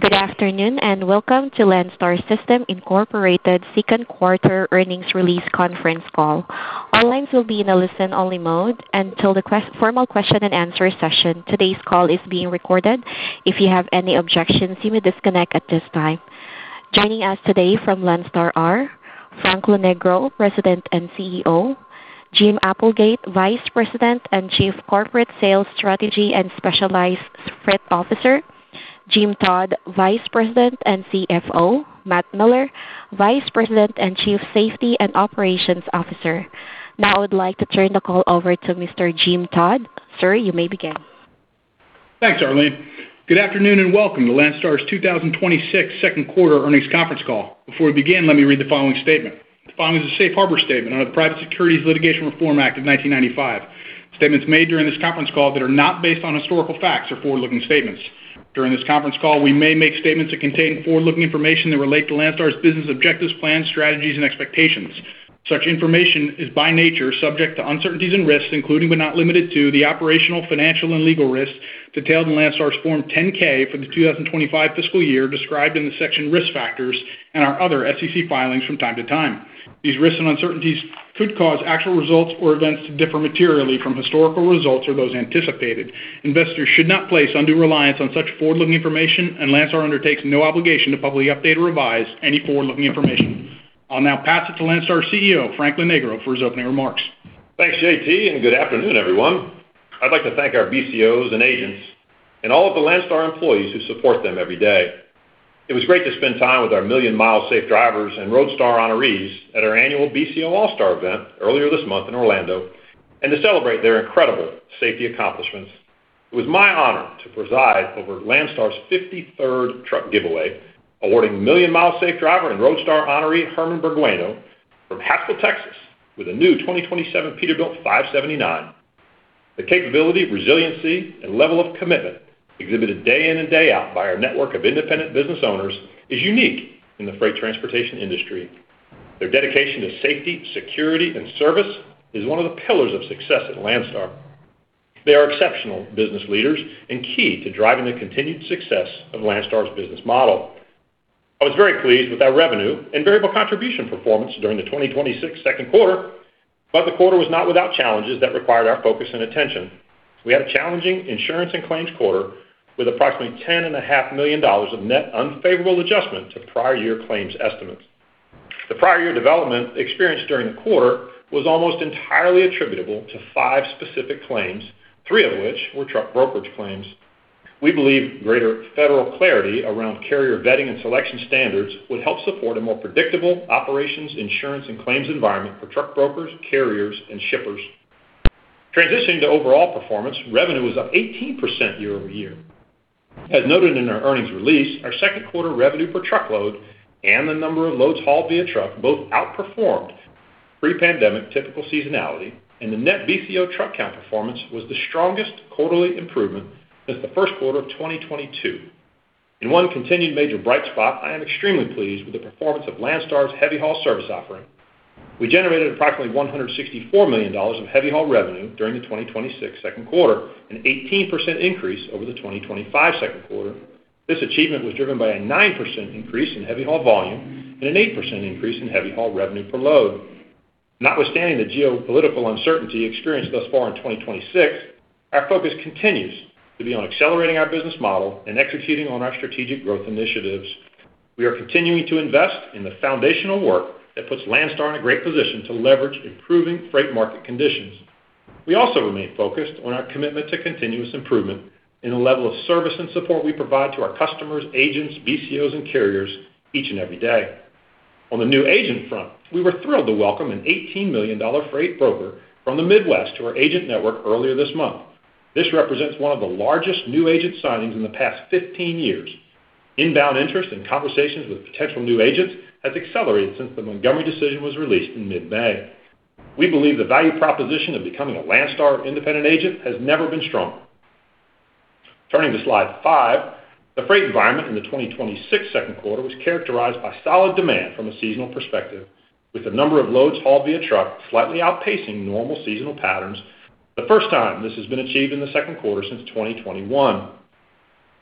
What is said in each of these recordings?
Good afternoon, and welcome to Landstar System, Inc. second quarter earnings release conference call. All lines will be in a listen-only mode until the formal question and answer session. Today's call is being recorded. If you have any objections, you may disconnect at this time. Joining us today from Landstar are Frank Lonegro, President and CEO; Jim Applegate, Vice President and Chief Corporate Sales, Strategy and Specialized Freight Officer; Jim Todd, Vice President and CFO; Matt Miller, Vice President and Chief Safety and Operations Officer. I would like to turn the call over to Mr. Jim Todd. Sir, you may begin. Thanks, Arlene. Good afternoon and welcome to Landstar's 2026 second quarter earnings conference call. Before we begin, let me read the following statement. The following is a safe harbor statement under the Private Securities Litigation Reform Act of 1995. Statements made during this conference call that are not based on historical facts are forward-looking statements. During this conference call, we may make statements that contain forward-looking information that relate to Landstar's business objectives, plans, strategies, and expectations. Such information is by nature subject to uncertainties and risks, including but not limited to the operational, financial, and legal risks detailed in Landstar's Form 10-K for the 2025 fiscal year, described in the section Risk Factors and our other SEC filings from time to time. These risks and uncertainties could cause actual results or events to differ materially from historical results or those anticipated. Investors should not place undue reliance on such forward-looking information. Landstar undertakes no obligation to publicly update or revise any forward-looking information. I'll now pass it to Landstar CEO, Frank Lonegro, for his opening remarks. Thanks, JT. Good afternoon, everyone. I'd like to thank our BCOs and agents and all of the Landstar employees who support them every day. It was great to spend time with our million-mile safe drivers and Roadstar honorees at our annual BCO All-Star Celebration earlier this month in Orlando and to celebrate their incredible safety accomplishments. It was my honor to preside over Landstar's 53rd truck giveaway, awarding million-mile safe driver and Roadstar honoree, Herman Burgueno, from Haskell, Texas, with a new 2027 Peterbilt 579. The capability, resiliency, and level of commitment exhibited day in and day out by our network of independent business owners is unique in the freight transportation industry. Their dedication to safety, security, and service is one of the pillars of success at Landstar. They are exceptional business leaders and key to driving the continued success of Landstar's business model. I was very pleased with our revenue and variable contribution performance during the 2026 second quarter, the quarter was not without challenges that required our focus and attention. We had a challenging insurance and claims quarter with approximately $10.5 million of net unfavorable adjustment to prior year claims estimates. The prior year development experienced during the quarter was almost entirely attributable to five specific claims, three of which were truck brokerage claims. We believe greater Federal clarity around carrier vetting and selection standards would help support a more predictable operations, insurance, and claims environment for truck brokers, carriers, and shippers. Transitioning to overall performance, revenue was up 18% year-over-year. As noted in our earnings release, our second quarter revenue per truckload and the number of loads hauled via truck both outperformed pre-pandemic typical seasonality, the net BCO truck count performance was the strongest quarterly improvement since the first quarter of 2022. In one continued major bright spot, I am extremely pleased with the performance of Landstar's heavy haul service offering. We generated approximately $164 million of heavy haul revenue during the 2026 second quarter, an 18% increase over the 2025 second quarter. This achievement was driven by a 9% increase in heavy haul volume and an 8% increase in heavy haul revenue per load. Notwithstanding the geopolitical uncertainty experienced thus far in 2026, our focus continues to be on accelerating our business model and executing on our strategic growth initiatives. We are continuing to invest in the foundational work that puts Landstar in a great position to leverage improving freight market conditions. We also remain focused on our commitment to continuous improvement in the level of service and support we provide to our customers, agents, BCOs, and carriers each and every day. On the new agent front, we were thrilled to welcome an $18 million freight broker from the Midwest to our agent network earlier this month. This represents one of the largest new agent signings in the past 15 years. Inbound interest and conversations with potential new agents has accelerated since the Montgomery decision was released in mid-May. We believe the value proposition of becoming a Landstar independent agent has never been stronger. Turning to slide five, the freight environment in the 2026 second quarter was characterized by solid demand from a seasonal perspective, with the number of loads hauled via truck slightly outpacing normal seasonal patterns. The first time this has been achieved in the second quarter since 2021.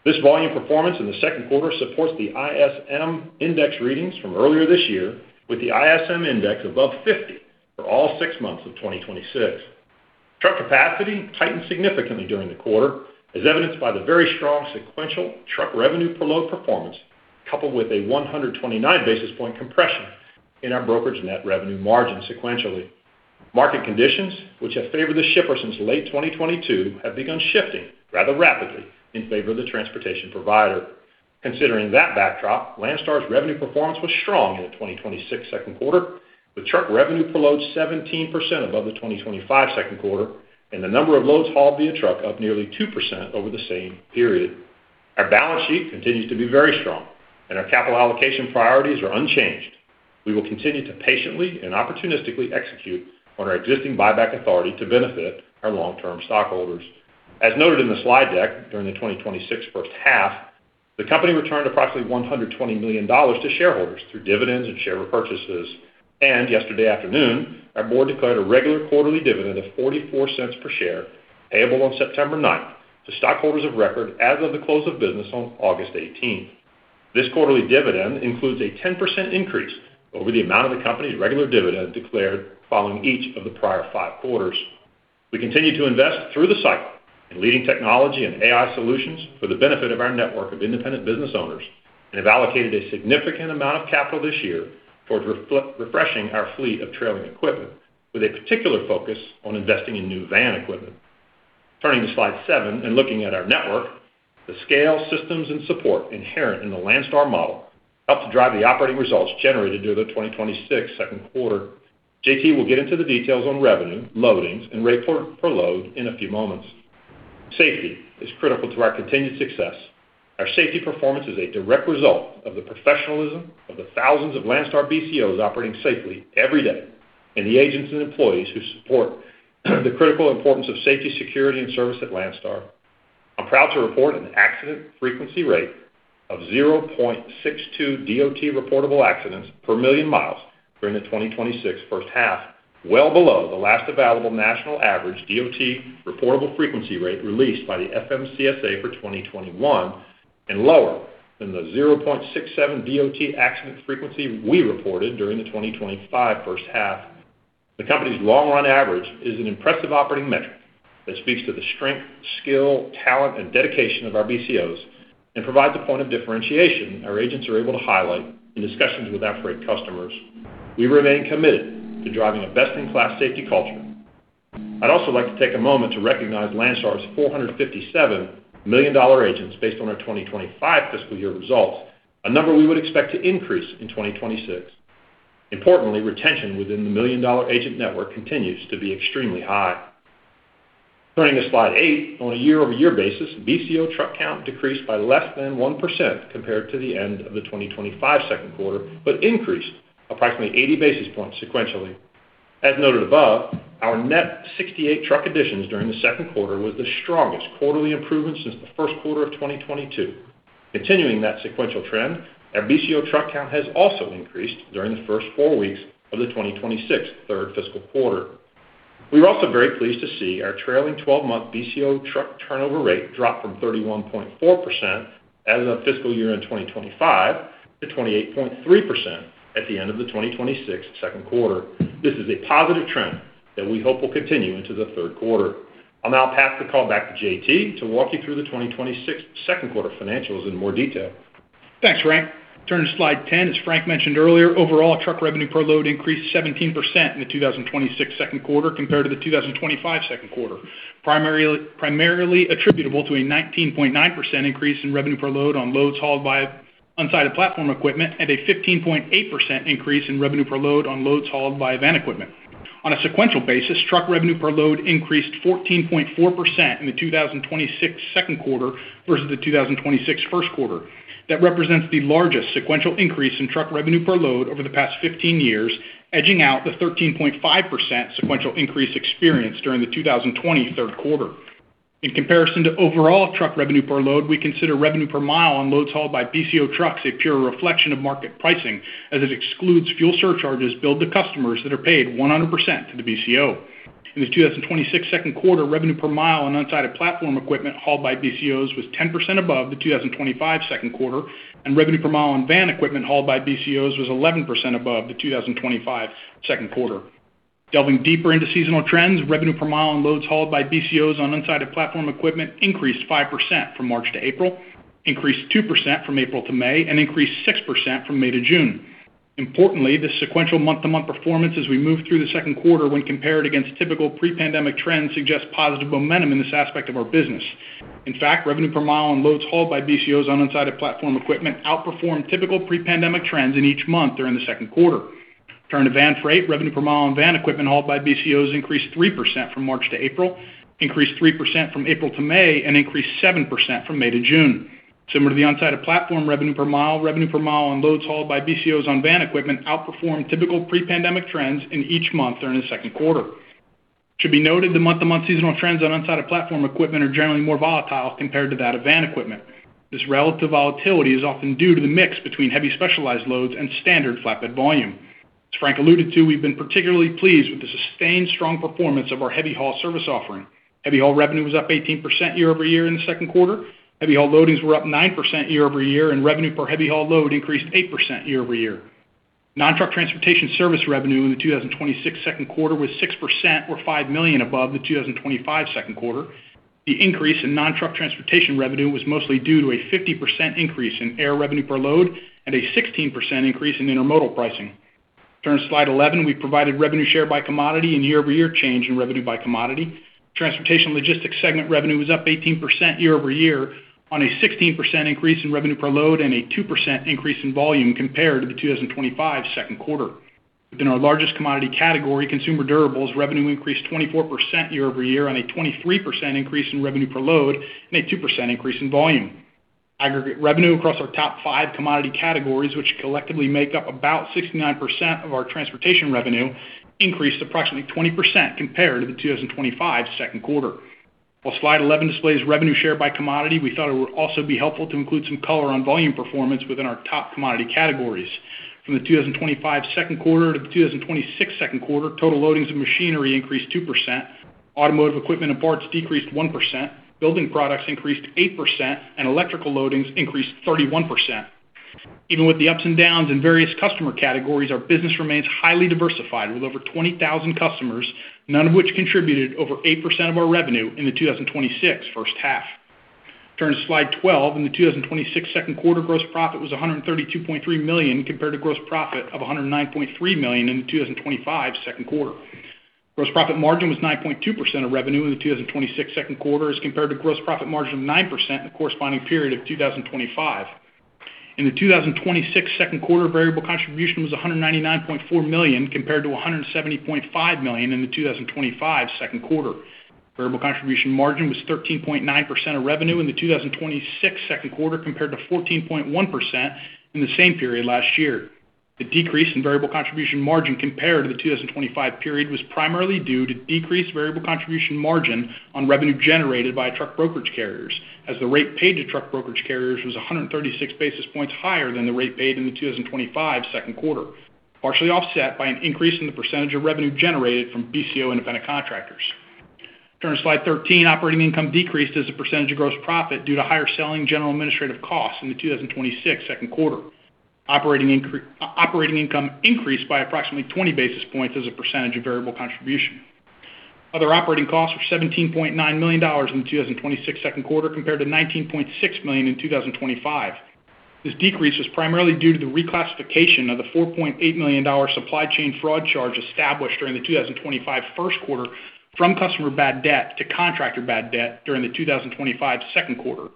This volume performance in the second quarter supports the ISM Index readings from earlier this year, with the ISM Index above 50 for all six months of 2026. Truck capacity tightened significantly during the quarter, as evidenced by the very strong sequential truck revenue per load performance, coupled with a 129 basis point compression in our brokerage net revenue margin sequentially. Market conditions which have favored the shipper since late 2022 have begun shifting rather rapidly in favor of the transportation provider. Considering that backdrop, Landstar's revenue performance was strong in the 2026 second quarter, with truck revenue per load 17% above the 2025 second quarter and the number of loads hauled via truck up nearly 2% over the same period. Our balance sheet continues to be very strong, and our capital allocation priorities are unchanged. We will continue to patiently and opportunistically execute on our existing buyback authority to benefit our long-term stockholders. As noted in the slide deck, during the 2026 first half, the company returned approximately $120 million to shareholders through dividends and share repurchases. Yesterday afternoon, our board declared a regular quarterly dividend of $0.44 per share, payable on September 9th to stockholders of record as of the close of business on August 18th. This quarterly dividend includes a 10% increase over the amount of the company's regular dividend declared following each of the prior five quarters. We continue to invest through the cycle in leading technology and AI solutions for the benefit of our network of independent business owners, and have allocated a significant amount of capital this year towards refreshing our fleet of trailing equipment, with a particular focus on investing in new van equipment. Turning to slide seven and looking at our network, the scale, systems and support inherent in the Landstar model help to drive the operating results generated during the 2026 second quarter. JT will get into the details on revenue, loadings, and rate per load in a few moments. Safety is critical to our continued success. Our safety performance is a direct result of the professionalism of the thousands of Landstar BCOs operating safely every day, and the agents and employees who support the critical importance of safety, security, and service at Landstar. I'm proud to report an accident frequency rate of 0.62 DOT-reportable accidents per million miles during the 2026 first half, well below the last available national average DOT-reportable frequency rate released by the FMCSA for 2021, and lower than the 0.67 DOT accident frequency we reported during the 2025 first half. The company's long-run average is an impressive operating metric that speaks to the strength, skill, talent, and dedication of our BCOs, and provides a point of differentiation our agents are able to highlight in discussions with at-freight customers. We remain committed to driving a best-in-class safety culture. I'd also like to take a moment to recognize Landstar's 457 million-dollar agents based on our 2025 fiscal year results, a number we would expect to increase in 2026. Importantly, retention within the million-dollar agent network continues to be extremely high. Turning to slide eight. On a year-over-year basis, BCO truck count decreased by less than 1% compared to the end of the 2025 second quarter, but increased approximately 80 basis points sequentially. As noted above, our net 68 truck additions during the second quarter was the strongest quarterly improvement since the first quarter of 2022. Continuing that sequential trend, our BCO truck count has also increased during the first four weeks of the 2026 third fiscal quarter. We were also very pleased to see our trailing 12-month BCO truck turnover rate drop from 31.4% as of the fiscal year end 2025 to 28.3% at the end of the 2026 second quarter. This is a positive trend that we hope will continue into the third quarter. I'll now pass the call back to JT to walk you through the 2026 second quarter financials in more detail. Thanks, Frank. Turning to slide 10. As Frank mentioned earlier, overall truck revenue per load increased 17% in the 2026 second quarter compared to the 2025 second quarter, primarily attributable to a 19.9% increase in revenue per load on loads hauled by unsided platform equipment and a 15.8% increase in revenue per load on loads hauled by van equipment. On a sequential basis, truck revenue per load increased 14.4% in the 2026 second quarter versus the 2026 first quarter. That represents the largest sequential increase in truck revenue per load over the past 15 years, edging out the 13.5% sequential increase experienced during the 2020 third quarter. In comparison to overall truck revenue per load, we consider revenue per mile on loads hauled by BCO trucks a pure reflection of market pricing, as it excludes fuel surcharges billed to customers that are paid 100% to the BCO. In the 2026 second quarter, revenue per mile on unsided platform equipment hauled by BCOs was 10% above the 2025 second quarter, and revenue per mile on van equipment hauled by BCOs was 11% above the 2025 second quarter. Delving deeper into seasonal trends, revenue per mile on loads hauled by BCOs on unsided platform equipment increased 5% from March to April, increased 2% from April to May, and increased 6% from May to June. Importantly, the sequential month-to-month performance as we move through the second quarter when compared against typical pre-pandemic trends suggests positive momentum in this aspect of our business. In fact, revenue per mile on loads hauled by BCOs on unsided platform equipment outperformed typical pre-pandemic trends in each month during the second quarter. Turning to van freight, revenue per mile on van equipment hauled by BCOs increased 3% from March to April, increased 3% from April to May, and increased 7% from May to June. Similar to the unsided platform revenue per mile, revenue per mile on loads hauled by BCOs on van equipment outperformed typical pre-pandemic trends in each month during the second quarter. It should be noted the month-to-month seasonal trends on unsided platform equipment are generally more volatile compared to that of van equipment. This relative volatility is often due to the mix between heavy specialized loads and standard flatbed volume. As Frank alluded to, we've been particularly pleased with the sustained strong performance of our heavy haul service offering. Heavy haul revenue was up 18% year-over-year in the second quarter. Heavy haul loadings were up 9% year over year, and revenue per heavy haul load increased 8% year over year. Nontruck transportation service revenue in the 2026 second quarter was 6%, or $5 million above the 2025 second quarter. The increase in nontruck transportation revenue was mostly due to a 50% increase in air revenue per load and a 16% increase in intermodal pricing. Turning to slide 11, we've provided revenue share by commodity and year-over-year change in revenue by commodity. Transportation & Logistics segment revenue was up 18% year over year on a 16% increase in revenue per load and a 2% increase in volume compared to the 2025 second quarter. Within our largest commodity category, consumer durables revenue increased 24% year over year on a 23% increase in revenue per load and a 2% increase in volume. Aggregate revenue across our top five commodity categories, which collectively make up about 69% of our transportation revenue, increased approximately 20% compared to the 2025 second quarter. While slide 11 displays revenue share by commodity, we thought it would also be helpful to include some color on volume performance within our top commodity categories. From the 2025 second quarter to the 2026 second quarter, total loadings of machinery increased 2%, automotive equipment and parts decreased 1%, building products increased 8%, and electrical loadings increased 31%. Even with the ups and downs in various customer categories, our business remains highly diversified with over 20,000 customers, none of which contributed over 8% of our revenue in the 2026 first half. Turning to slide 12, in the 2026 second quarter, gross profit was $132.3 million compared to gross profit of $109.3 million in 2025 second quarter. Gross profit margin was 9.2% of revenue in the 2026 second quarter as compared to gross profit margin of 9% in the corresponding period of 2025. In the 2026 second quarter, variable contribution was $199.4 million, compared to $170.5 million in the 2025 second quarter. Variable contribution margin was 13.9% of revenue in the 2026 second quarter, compared to 14.1% in the same period last year. The decrease in variable contribution margin compared to the 2025 period was primarily due to decreased variable contribution margin on revenue generated by truck brokerage carriers, as the rate paid to truck brokerage carriers was 136 basis points higher than the rate paid in the 2025 second quarter, partially offset by an increase in the percentage of revenue generated from BCO independent contractors. Turning to slide 13, operating income decreased as a percentage of gross profit due to higher selling general administrative costs in the 2026 second quarter. Operating income increased by approximately 20 basis points as a percentage of variable contribution. Other operating costs were $17.9 million in the 2026 second quarter, compared to $19.6 million in 2025. This decrease was primarily due to the reclassification of the $4.8 million supply chain fraud charge established during the 2025 first quarter from customer bad debt to contractor bad debt during the 2025 second quarter.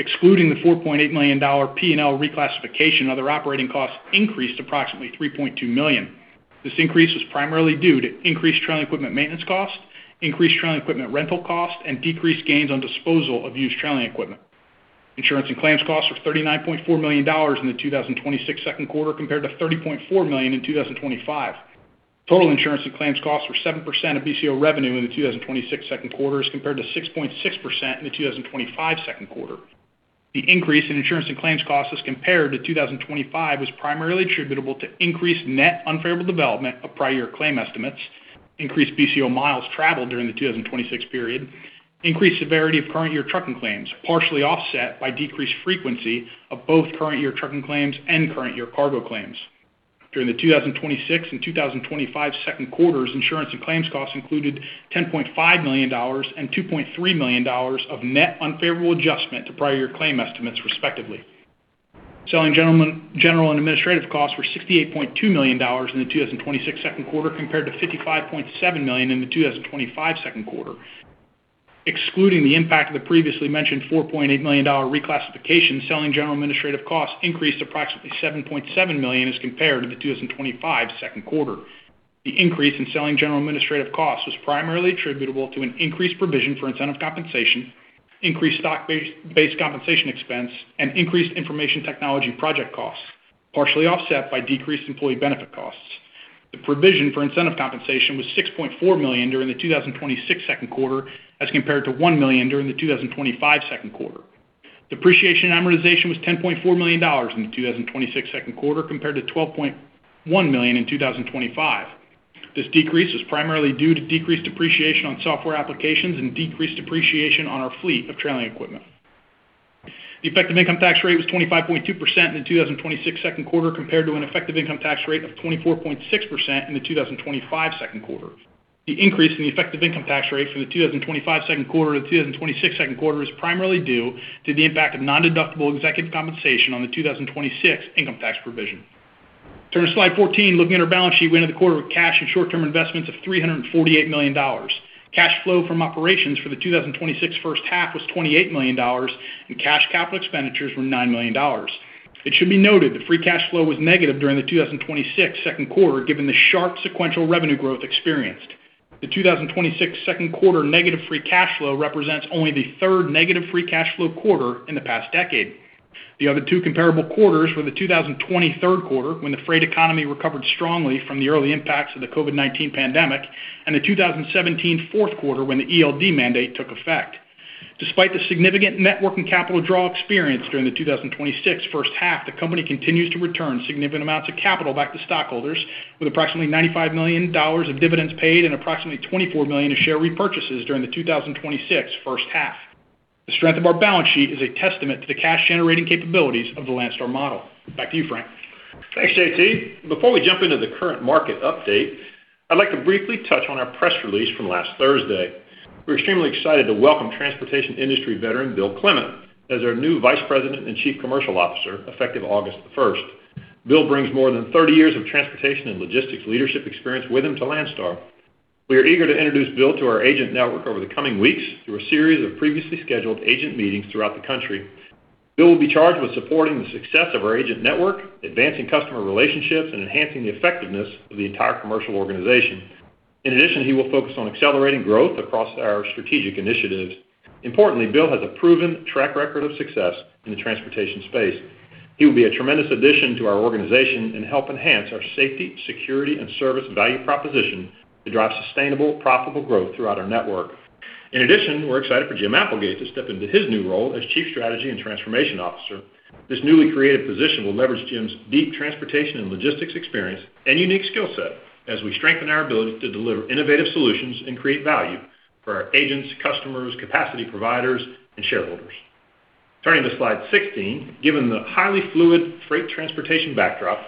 Excluding the $4.8 million P&L reclassification, other operating costs increased approximately $3.2 million. This increase was primarily due to increased trailing equipment maintenance costs, increased trailing equipment rental costs, and decreased gains on disposal of used trailing equipment. Insurance and claims costs were $39.4 million in the 2026 second quarter, compared to $30.4 million in 2025. Total insurance and claims costs were 7% of BCO revenue in the 2026 second quarter, as compared to 6.6% in the 2025 second quarter. The increase in insurance and claims costs as compared to 2025 was primarily attributable to increased net unfavorable development of prior year claim estimates, increased BCO miles traveled during the 2026 period, increased severity of current year trucking claims, partially offset by decreased frequency of both current year trucking claims and current year cargo claims. During the 2026 and 2025 second quarters, insurance and claims costs included $10.5 million and $2.3 million of net unfavorable adjustment to prior year claim estimates, respectively. Selling general and administrative costs were $68.2 million in the 2026 second quarter, compared to $55.7 million in the 2025 second quarter. Excluding the impact of the previously mentioned $4.8 million reclassification, selling general administrative costs increased approximately $7.7 million as compared to the 2025 second quarter. The increase in selling general administrative costs was primarily attributable to an increased provision for incentive compensation, increased stock-based compensation expense, and increased information technology project costs, partially offset by decreased employee benefit costs. The provision for incentive compensation was $6.4 million during the 2026 second quarter, as compared to $1 million during the 2025 second quarter. Depreciation and amortization was $10.4 million in the 2026 second quarter, compared to $12.1 million in 2025. This decrease was primarily due to decreased depreciation on software applications and decreased depreciation on our fleet of trailing equipment. The effective income tax rate was 25.2% in the 2026 second quarter, compared to an effective income tax rate of 24.6% in the 2025 second quarter. The increase in the effective income tax rate for the 2025 second quarter to the 2026 second quarter is primarily due to the impact of nondeductible executive compensation on the 2026 income tax provision. Turning to slide 14, looking at our balance sheet, we ended the quarter with cash and short-term investments of $348 million. Cash flow from operations for the 2026 first half was $28 million, and cash capital expenditures were $9 million. It should be noted that free cash flow was negative during the 2026 second quarter, given the sharp sequential revenue growth experienced. The 2026 second quarter negative free cash flow represents only the third negative free cash flow quarter in the past decade. The other two comparable quarters were the 2020 third quarter, when the freight economy recovered strongly from the early impacts of the COVID-19 pandemic, and the 2017 fourth quarter, when the ELD mandate took effect. Despite the significant net working capital draw experience during the 2026 first half, the company continues to return significant amounts of capital back to stockholders, with approximately $95 million of dividends paid and approximately $24 million of share repurchases during the 2026 first half. The strength of our balance sheet is a testament to the cash-generating capabilities of the Landstar model. Back to you, Frank. Thanks, JT. Before we jump into the current market update, I'd like to briefly touch on our press release from last Thursday. We're extremely excited to welcome transportation industry veteran Bill Clement as our new Vice President and Chief Commercial Officer, effective August the 1st. Bill brings more than 30 years of transportation and logistics leadership experience with him to Landstar. We are eager to introduce Bill to our agent network over the coming weeks through a series of previously scheduled agent meetings throughout the country. Bill will be charged with supporting the success of our agent network, advancing customer relationships, and enhancing the effectiveness of the entire commercial organization. In addition, he will focus on accelerating growth across our strategic initiatives. Importantly, Bill has a proven track record of success in the transportation space. He will be a tremendous addition to our organization and help enhance our safety, security, and service value proposition to drive sustainable, profitable growth throughout our network. In addition, we're excited for Jim Applegate to step into his new role as Chief Strategy and Transformation Officer. This newly created position will leverage Jim's deep transportation and logistics experience and unique skill set as we strengthen our ability to deliver innovative solutions and create value for our agents, customers, capacity providers, and shareholders. Turning to slide 16. Given the highly fluid freight transportation backdrop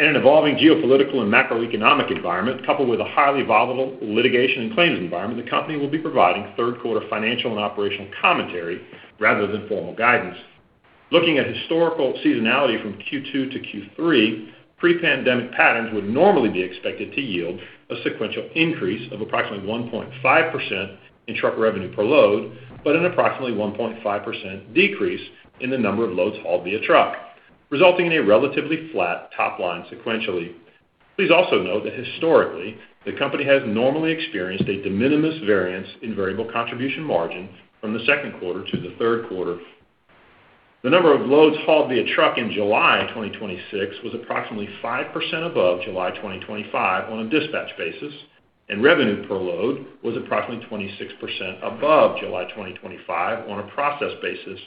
and an evolving geopolitical and macroeconomic environment, coupled with a highly volatile litigation and claims environment, the company will be providing third quarter financial and operational commentary rather than formal guidance. Looking at historical seasonality from Q2 to Q3, pre-pandemic patterns would normally be expected to yield a sequential increase of approximately 1.5% in truck revenue per load, but an approximately 1.5% decrease in the number of loads hauled via truck, resulting in a relatively flat top line sequentially. Please also note that historically, the company has normally experienced a de minimis variance in variable contribution margin from the second quarter to the third quarter. The number of loads hauled via truck in July 2026 was approximately 5% above July 2025 on a dispatch basis, and revenue per load was approximately 26% above July 2025 on a process basis.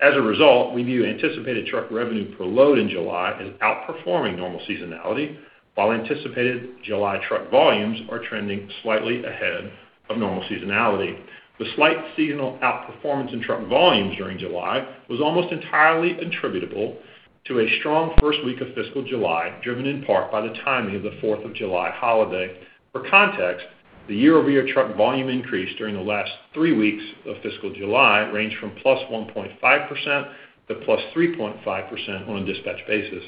As a result, we view anticipated truck revenue per load in July as outperforming normal seasonality, while anticipated July truck volumes are trending slightly ahead of normal seasonality. The slight seasonal outperformance in truck volumes during July was almost entirely attributable to a strong first week of fiscal July, driven in part by the timing of the Fourth of July holiday. For context, the year-over-year truck volume increase during the last three weeks of fiscal July ranged from +1.5%-+3.5% on a dispatch basis.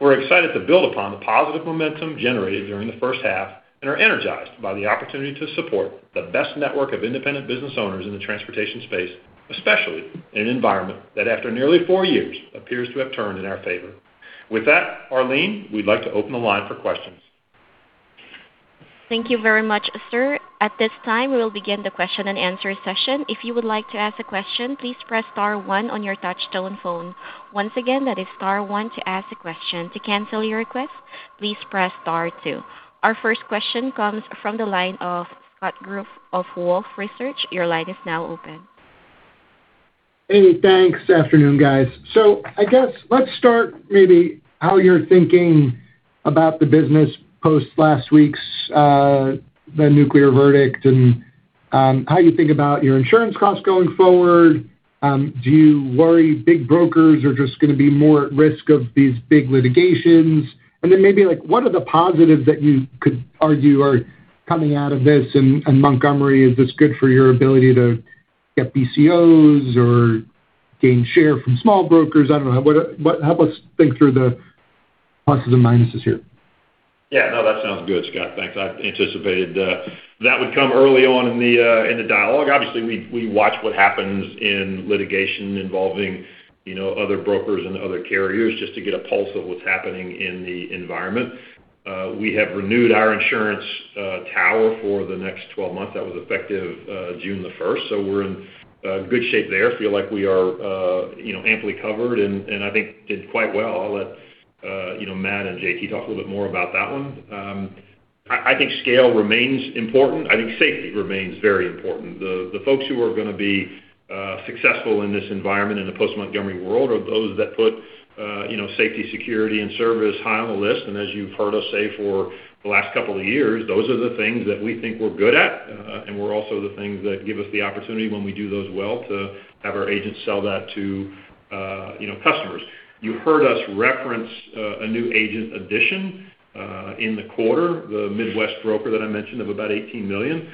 We're excited to build upon the positive momentum generated during the first half and are energized by the opportunity to support the best network of independent business owners in the transportation space, especially in an environment that, after nearly four years, appears to have turned in our favor. With that, Arlene, we'd like to open the line for questions. Thank you very much, sir. At this time, we will begin the question and answer session. If you would like to ask a question, please press star one on your touch-tone phone. Once again, that is star one to ask a question. To cancel your request, please press star two. Our first question comes from the line of Scott Group of Wolfe Research. Your line is now open. Hey, thanks. Afternoon, guys. I guess let's start maybe how you're thinking about the business post last week's the nuclear verdict and how you think about your insurance costs going forward. Do you worry big brokers are just going to be more at risk of these big litigations? Maybe what are the positives that you could argue are coming out of this? Montgomery, is this good for your ability to get BCOs or gain share from small brokers? I don't know. Help us think through the pluses and minuses here. Yeah. No, that sounds good, Scott. Thanks. I anticipated that would come early on in the dialogue. Obviously, we watch what happens in litigation involving other brokers and other carriers just to get a pulse of what's happening in the environment. We have renewed our insurance tower for the next 12 months. That was effective June the 1st. We're in good shape there. Feel like we are amply covered and I think did quite well. I'll let Matt and JT talk a little bit more about that one. I think scale remains important. I think safety remains very important. The folks who are going to be successful in this environment in the post-Montgomery world are those that put safety, security, and service high on the list. As you've heard us say for the last couple of years, those are the things that we think we're good at, and were also the things that give us the opportunity when we do those well to have our agents sell that to customers. You heard us reference a new agent addition in the quarter, the Midwest broker that I mentioned of about $18 million.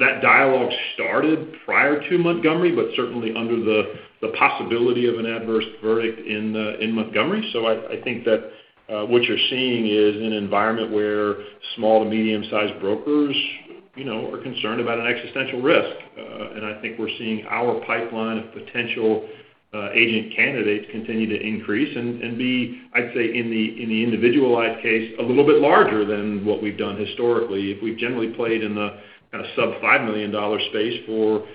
That dialogue started prior to Montgomery, but certainly under the possibility of an adverse verdict in Montgomery. I think that what you're seeing is an environment where small to medium-sized brokers are concerned about an existential risk. I think we're seeing our pipeline of potential agent candidates continue to increase and be, I'd say, in the individualized case, a little bit larger than what we've done historically. If we've generally played in the sub $5 million space for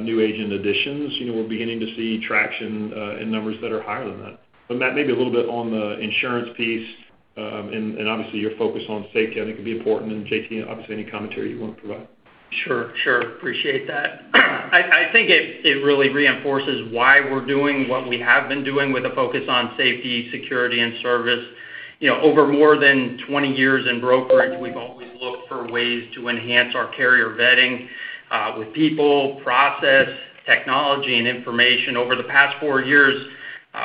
new agent additions, we're beginning to see traction in numbers that are higher than that. Matt, maybe a little bit on the insurance piece. Obviously, your focus on safety I think will be important. JT, obviously, any commentary you want to provide. Sure. Appreciate that. I think it really reinforces why we're doing what we have been doing with a focus on safety, security, and service. Over more than 20 years in brokerage, we've always looked for ways to enhance our carrier vetting with people, process, technology, and information. Over the past four years,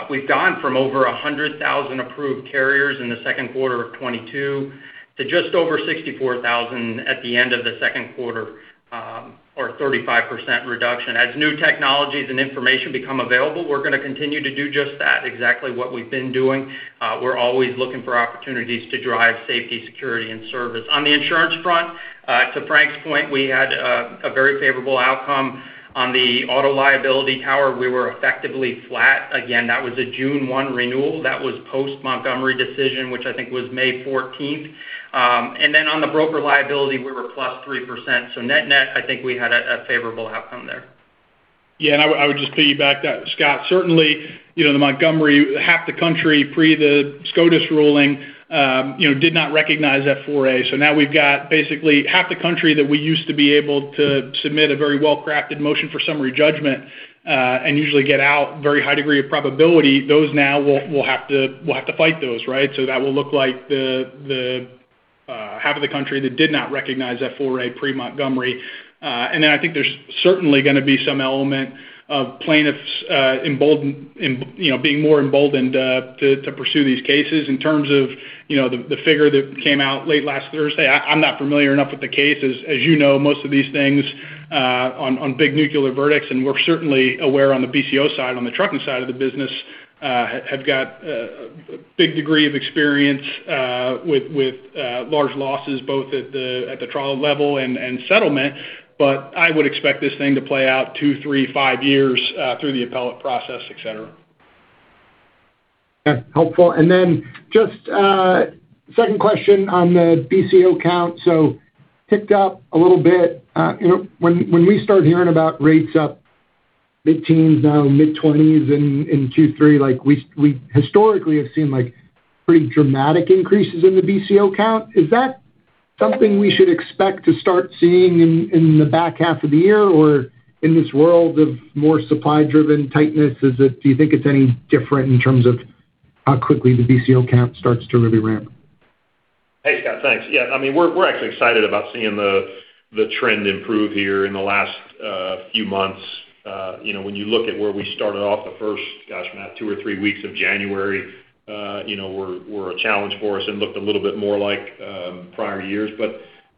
we've gone from over 100,000 approved carriers in the second quarter of 2022 to just over 64,000 at the end of the second quarter or a 35% reduction. As new technologies and information become available, we're going to continue to do just that, exactly what we've been doing. We're always looking for opportunities to drive safety, security, and service. On the insurance front, to Frank's point, we had a very favorable outcome on the auto liability tower. We were effectively flat. Again, that was a June 1 renewal. That was post Montgomery decision, which I think was May 14th. On the broker liability, we were +3%. Net net, I think we had a favorable outcome there. I would just piggyback that, Scott. Certainly, the Montgomery, half the country pre the SCOTUS ruling did not recognize F4A. Now we've got basically half the country that we used to be able to submit a very well-crafted motion for summary judgment, and usually get out very high degree of probability. Those now we'll have to fight those, right? That will look like the half of the country that did not recognize F4A pre Montgomery. I think there's certainly going to be some element of plaintiffs being more emboldened to pursue these cases. In terms of the figure that came out late last Thursday, I'm not familiar enough with the case. As you know, most of these things on big nuclear verdicts, and we're certainly aware on the BCO side, on the trucking side of the business have got a big degree of experience with large losses both at the trial level and settlement. I would expect this thing to play out two, three, five years through the appellate process, et cetera. Yeah. Helpful. Just a second question on the BCO count. Ticked up a little bit. When we start hearing about rates up mid-teens now, mid-20s in Q3, like we historically have seen pretty dramatic increases in the BCO count. Is that something we should expect to start seeing in the back half of the year? In this world of more supply-driven tightness, do you think it's any different in terms of how quickly the BCO count starts to really ramp? Hey, Scott. Thanks. Yeah, we're actually excited about seeing the trend improve here in the last few months. When you look at where we started off, the first, gosh, Matt, two or three weeks of January were a challenge for us and looked a little bit more like prior years.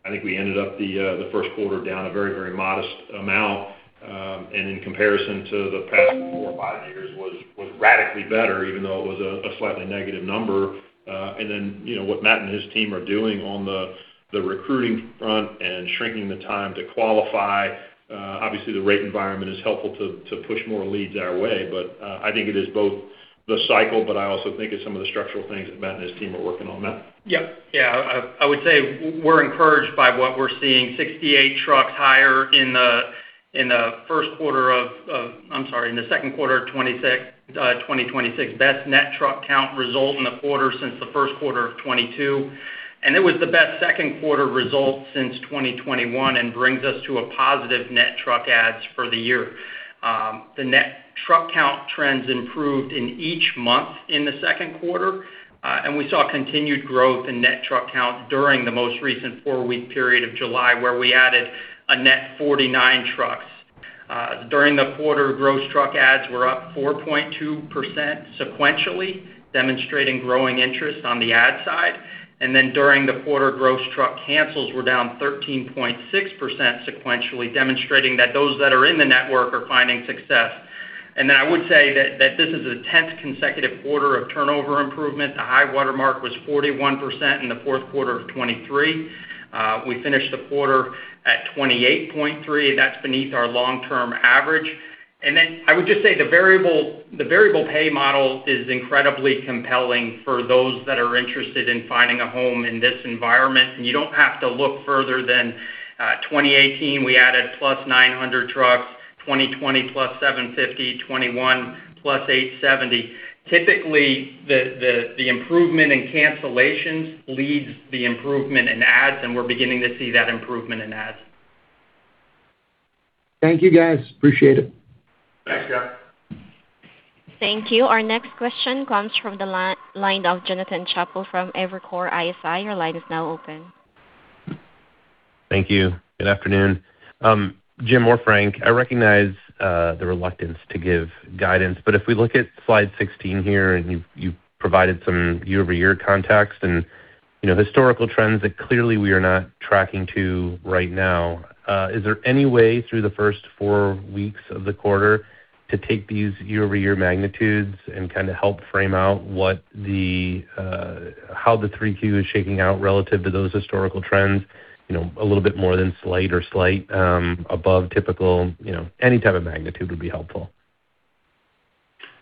I think I ended up the first quarter down a very, very modest amount. In comparison to the past four or five years was radically better, even though it was a slightly negative number. Then what Matt and his team are doing on the recruiting front and shrinking the time to qualify. Obviously, the rate environment is helpful to push more leads our way. I think it is both the cycle, but I also think it's some of the structural things that Matt and his team are working on. Matt? Yep. Yeah, I would say we're encouraged by what we're seeing 68 trucks higher in the first quarter of— I'm sorry, in the second quarter of 2026. Best net truck count result in the quarter since the first quarter of 2022. It was the best second quarter result since 2021 and brings us to a positive net truck adds for the year. The net truck count trends improved in each month in the second quarter. We saw continued growth in net truck count during the most recent four-week period of July, where we added a net 49 trucks. During the quarter, gross truck adds were up 4.2% sequentially, demonstrating growing interest on the add side. Then during the quarter, gross truck cancels were down 13.6% sequentially, demonstrating that those that are in the network are finding success. I would say that this is the 10th consecutive quarter of turnover improvement. The high water mark was 41% in the fourth quarter of 2023. We finished the quarter at 28.3, and that's beneath our long-term average. I would just say the variable pay model is incredibly compelling for those that are interested in finding a home in this environment, and you don't have to look further than 2018. We added +900 trucks, 2020, +750, 2021, +870. Typically, the improvement in cancellations leads the improvement in adds, and we're beginning to see that improvement in adds. Thank you, guys. Appreciate it. Thanks, Scott. Thank you. Our next question comes from the line of Jonathan Chappell from Evercore ISI. Your line is now open. Thank you. Good afternoon. Jim or Frank, I recognize the reluctance to give guidance, but if we look at slide 16 here, you provided some year-over-year context and historical trends that clearly we are not tracking to right now. Is there any way through the first four weeks of the quarter to take these year-over-year magnitudes and kind of help frame out how the three Q is shaking out relative to those historical trends? A little bit more than slight or slight above typical. Any type of magnitude would be helpful.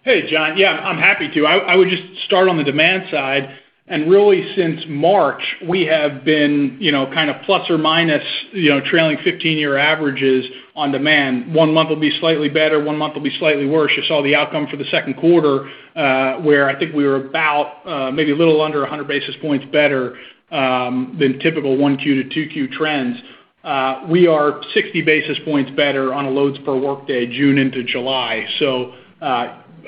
Hey, Jon. Yeah, I am happy to. I would just start on the demand side. Really since March, we have been kind of plus or minus trailing 15-year averages on demand. One month will be slightly better, one month will be slightly worse. You saw the outcome for the second quarter, where I think we were about maybe a little under 100 basis points better than typical one Q to two Q trends. We are 60 basis points better on a loads per workday June into July.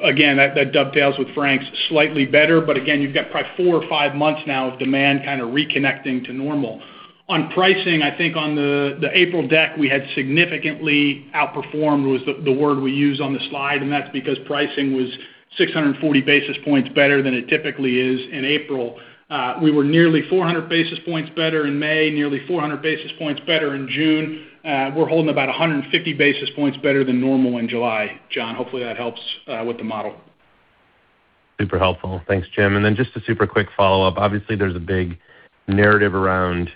Again, that dovetails with Frank's slightly better. Again, you've got probably four or five months now of demand kind of reconnecting to normal. On pricing, I think on the April deck, we had significantly outperformed was the word we used on the slide, that is because pricing was 640 basis points better than it typically is in April. We were nearly 400 basis points better in May, nearly 400 basis points better in June. We are holding about 150 basis points better than normal in July. Jon, hopefully that helps with the model. Super helpful. Thanks, Jim. Then just a super quick follow-up. Obviously, there is a big narrative around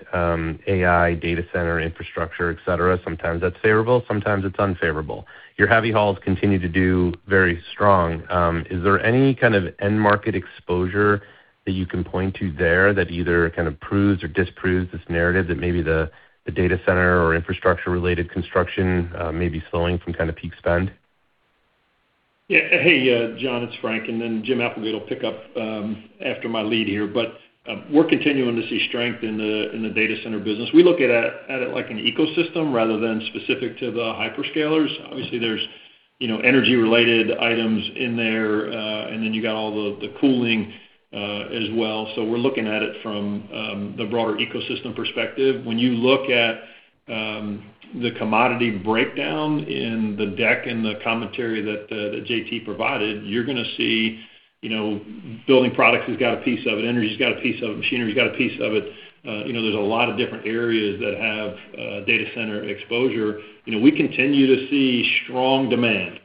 AI, data center infrastructure, et cetera. Sometimes that is favorable, sometimes it is unfavorable. Your heavy hauls continue to do very strong. Is there any kind of end market exposure that you can point to there that either kind of proves or disproves this narrative that maybe the data center or infrastructure-related construction may be slowing from peak spend? Hey, Jon, it's Frank. Jim Applegate will pick up after my lead here. We're continuing to see strength in the data center business. We look at it like an ecosystem rather than specific to the hyperscalers. Obviously, there's energy-related items in there. You got all the cooling as well. We're looking at it from the broader ecosystem perspective. When you look at the commodity breakdown in the deck and the commentary that JT provided, you're going to see building products has got a piece of it, energy's got a piece of it, machinery's got a piece of it. There's a lot of different areas that have data center exposure. We continue to see strong demand,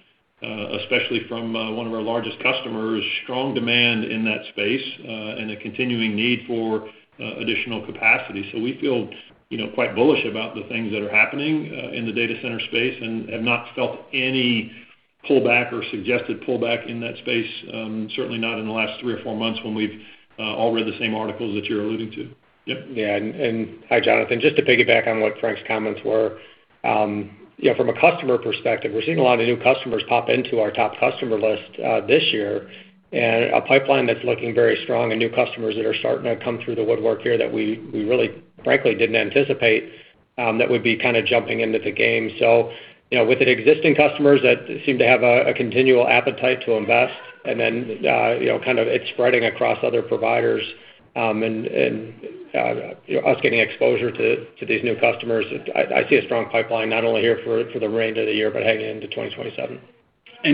especially from one of our largest customers, strong demand in that space, and a continuing need for additional capacity. We feel quite bullish about the things that are happening in the data center space and have not felt any pullback or suggested pullback in that space, certainly not in the last three or four months when we've all read the same articles that you're alluding to. Yep. Hi, Jonathan. Just to piggyback on what Frank's comments were. From a customer perspective, we're seeing a lot of new customers pop into our top customer list this year, and a pipeline that's looking very strong and new customers that are starting to come through the woodwork here that we really, frankly, didn't anticipate that would be jumping into the game. With the existing customers that seem to have a continual appetite to invest, it's spreading across other providers, and us getting exposure to these new customers, I see a strong pipeline not only here for the remainder of the year, but heading into 2027.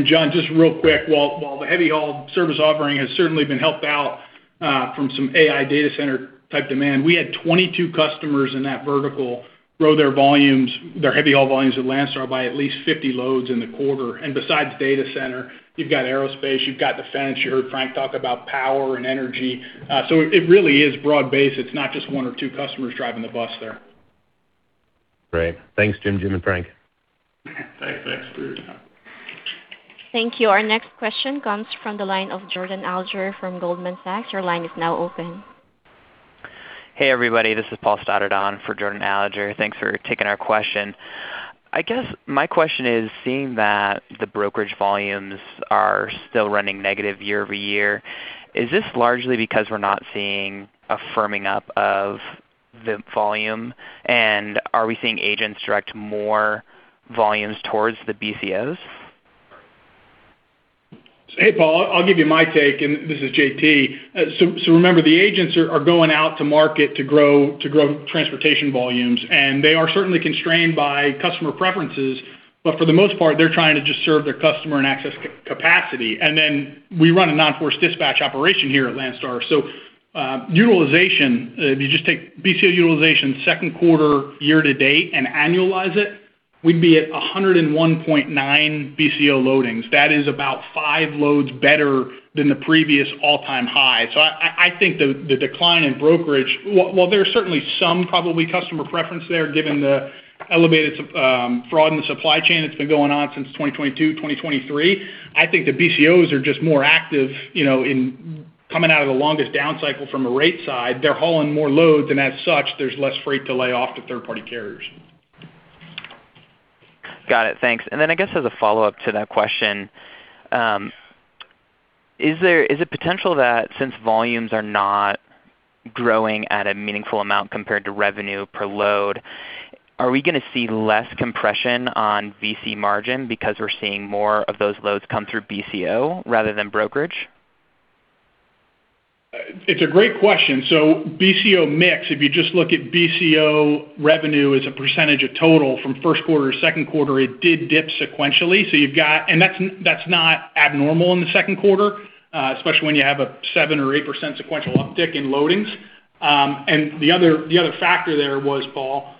Jon, just real quick, while the heavy haul service offering has certainly been helped out from some AI data center type demand, we had 22 customers in that vertical grow their heavy haul volumes at Landstar by at least 50 loads in the quarter. Besides data center, you've got aerospace, you've got defense. You heard Frank talk about power and energy. It really is broad-based. It's not just one or two customers driving the bus there. Great. Thanks, Jim and Frank. Thanks for your time. Thank you. Our next question comes from the line of Jordan Alliger from Goldman Sachs. Your line is now open. Hey, everybody. This is Paul Stoddard on for Jordan Alliger. Thanks for taking our question. I guess my question is, seeing that the brokerage volumes are still running negative year-over-year, is this largely because we're not seeing a firming up of the volume? Are we seeing agents direct more volumes towards the BCOs? Remember, the agents are going out to market to grow transportation volumes. They are certainly constrained by customer preferences, but for the most part, they're trying to just serve their customer and access capacity. We run a non-forced dispatch operation here at Landstar. Utilization, if you just take BCO utilization second quarter year to date and annualize it, we'd be at 101.9 BCO loadings. That is about five loads better than the previous all-time high. I think the decline in brokerage, while there's certainly some probably customer preference there, given the elevated fraud in the supply chain that's been going on since 2022, 2023, I think the BCOs are just more active in coming out of the longest down cycle from a rate side. They're hauling more loads. As such, there's less freight to lay off to third-party carriers. Got it. Thanks. I guess as a follow-up to that question, is it potential that since volumes are not growing at a meaningful amount compared to revenue per load, are we going to see less compression on BCO margin because we're seeing more of those loads come through BCO rather than brokerage? It's a great question. BCO mix, if you just look at BCO revenue as a percentage of total from first quarter to second quarter, it did dip sequentially. That's not abnormal in the second quarter, especially when you have a 7% or 8% sequential uptick in loadings. The other factor there was, Paul,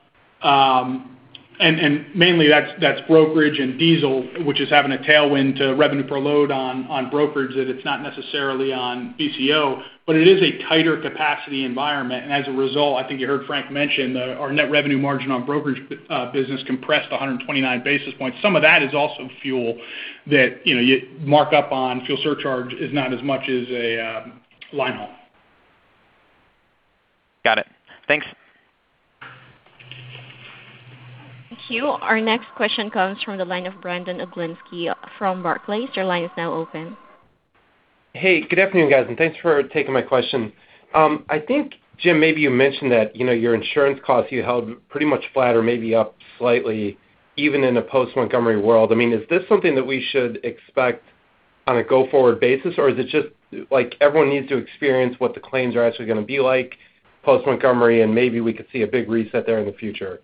mainly that's brokerage and diesel, which is having a tailwind to revenue per load on brokerage, that it's not necessarily on BCO, but it is a tighter capacity environment. As a result, I think you heard Frank mention our net revenue margin on brokerage business compressed 129 basis points. Some of that is also fuel that you mark up on. Fuel surcharge is not as much as a line haul. Got it. Thanks. Thank you. Our next question comes from the line of Brandon Oglenski from Barclays. Your line is now open. Hey, good afternoon, guys, and thanks for taking my question. I think, Jim, maybe you mentioned that your insurance costs you held pretty much flat or maybe up slightly even in a post-Montgomery world. Is this something that we should expect on a go-forward basis, or is it just like everyone needs to experience what the claims are actually going to be like post-Montgomery, and maybe we could see a big reset there in the future?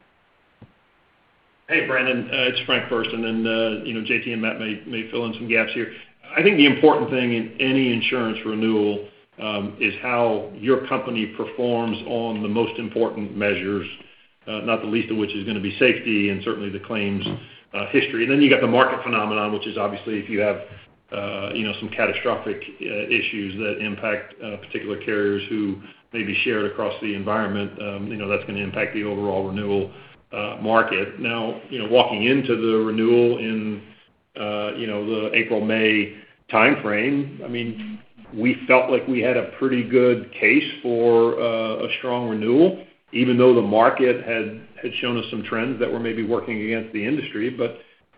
Hey, Brandon, it's Frank first, and then JT and Matt may fill in some gaps here. I think the important thing in any insurance renewal is how your company performs on the most important measures. Not the least of which is going to be safety and certainly the claims history. You got the market phenomenon, which is obviously if you have some catastrophic issues that impact particular carriers who may be shared across the environment, that's going to impact the overall renewal market. Walking into the renewal in the April, May timeframe, we felt like we had a pretty good case for a strong renewal, even though the market had shown us some trends that were maybe working against the industry.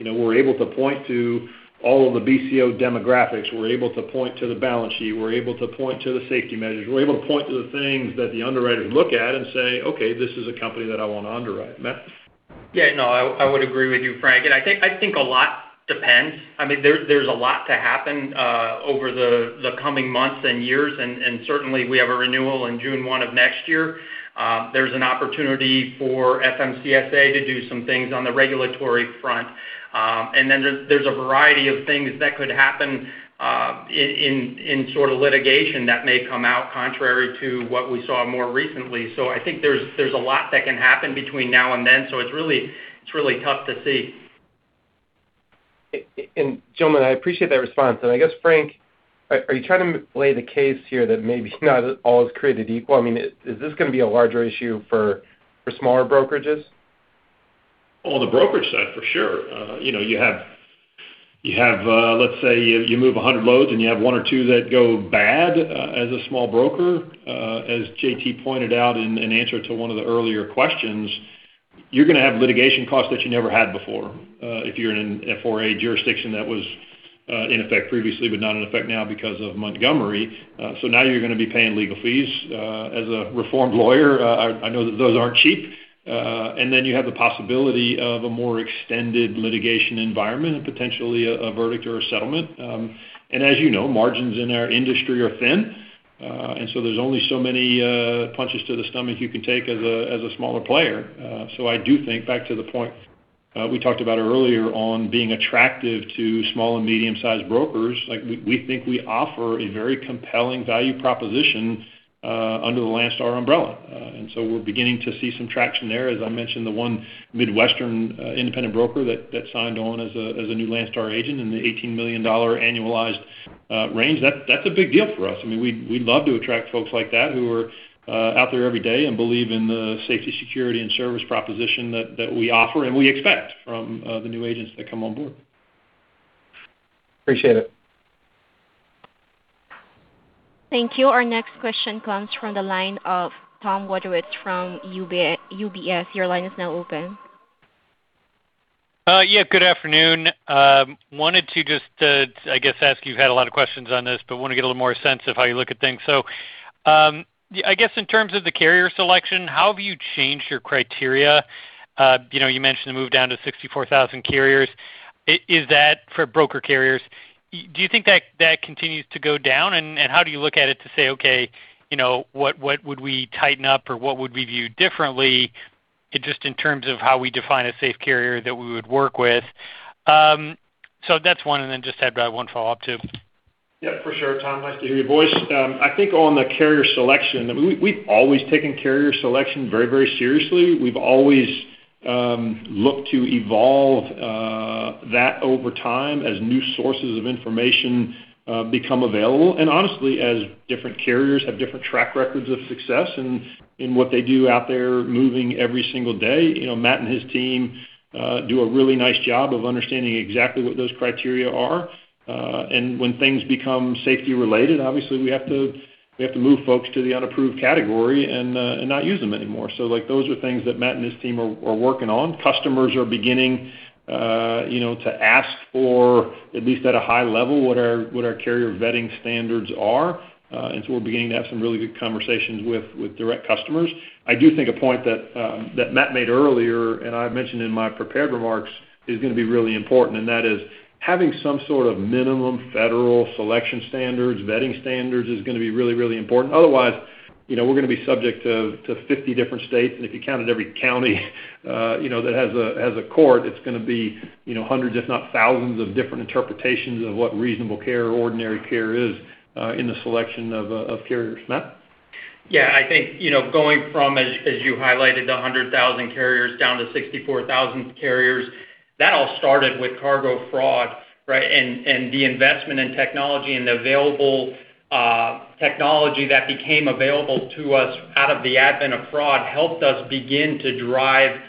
We're able to point to all of the BCO demographics. We're able to point to the balance sheet. We're able to point to the safety measures. We're able to point to the things that the underwriters look at and say, "Okay, this is a company that I want to underwrite." Matt? Yeah, no, I would agree with you, Frank. I think a lot depends. There's a lot to happen over the coming months and years, and certainly we have a renewal in June 1 of next year. There's an opportunity for FMCSA to do some things on the regulatory front. There's a variety of things that could happen in sort of litigation that may come out contrary to what we saw more recently. I think there's a lot that can happen between now and then. It's really tough to see. Gentlemen, I appreciate that response. I guess, Frank, are you trying to lay the case here that maybe not all is created equal? Is this going to be a larger issue for smaller brokerages? On the brokerage side, for sure. You have, let's say, you move 100 loads and you have one or two that go bad as a small broker. As JT pointed out in answer to one of the earlier questions, you're going to have litigation costs that you never had before, if you're in an F4A jurisdiction that was in effect previously but not in effect now because of Montgomery. Now you're going to be paying legal fees. As a reformed lawyer, I know that those aren't cheap. Then you have the possibility of a more extended litigation environment and potentially a verdict or a settlement. As you know, margins in our industry are thin. There's only so many punches to the stomach you can take as a smaller player. I do think back to the point we talked about earlier on being attractive to small and medium sized brokers. We think we offer a very compelling value proposition under the Landstar umbrella. We're beginning to see some traction there. As I mentioned, the one Midwestern independent broker that signed on as a new Landstar agent in the $18 million annualized range, that's a big deal for us. We love to attract folks like that who are out there every day and believe in the safety, security, and service proposition that we offer and we expect from the new agents that come on board. Appreciate it. Thank you. Our next question comes from the line of Tom Wadewitz from UBS. Your line is now open. Good afternoon. Wanted to just, I guess, ask you had a lot of questions on this, but want to get a little more sense of how you look at things. I guess in terms of the carrier selection, how have you changed your criteria? You mentioned the move down to 64,000 carriers. Is that for broker carriers? Do you think that continues to go down? How do you look at it to say, "Okay, what would we tighten up or what would we view differently just in terms of how we define a safe carrier that we would work with?" That's one, then just had one follow-up, too. Yeah, for sure, Tom. Nice to hear your voice. I think on the carrier selection, we've always taken carrier selection very seriously. We've always looked to evolve that over time as new sources of information become available. Honestly, as different carriers have different track records of success in what they do out there moving every single day. Matt and his team do a really nice job of understanding exactly what those criteria are. When things become safety related, obviously we have to move folks to the unapproved category and not use them anymore. Those are things that Matt and his team are working on. Customers are beginning to ask for, at least at a high level, what our carrier vetting standards are. We're beginning to have some really good conversations with direct customers. I do think a point that Matt made earlier, I mentioned in my prepared remarks, is going to be really important, that is having some sort of minimum federal selection standards, vetting standards is going to be really important. We're going to be subject to 50 different states, if you counted every county that has a court, it's going to be hundreds, if not thousands of different interpretations of what reasonable care or ordinary care is in the selection of carriers. Matt? Yeah, I think, going from, as you highlighted, the 100,000 carriers down to 64,000 carriers. That all started with cargo fraud, right? The investment in technology and the available technology that became available to us out of the advent of fraud helped us begin to drive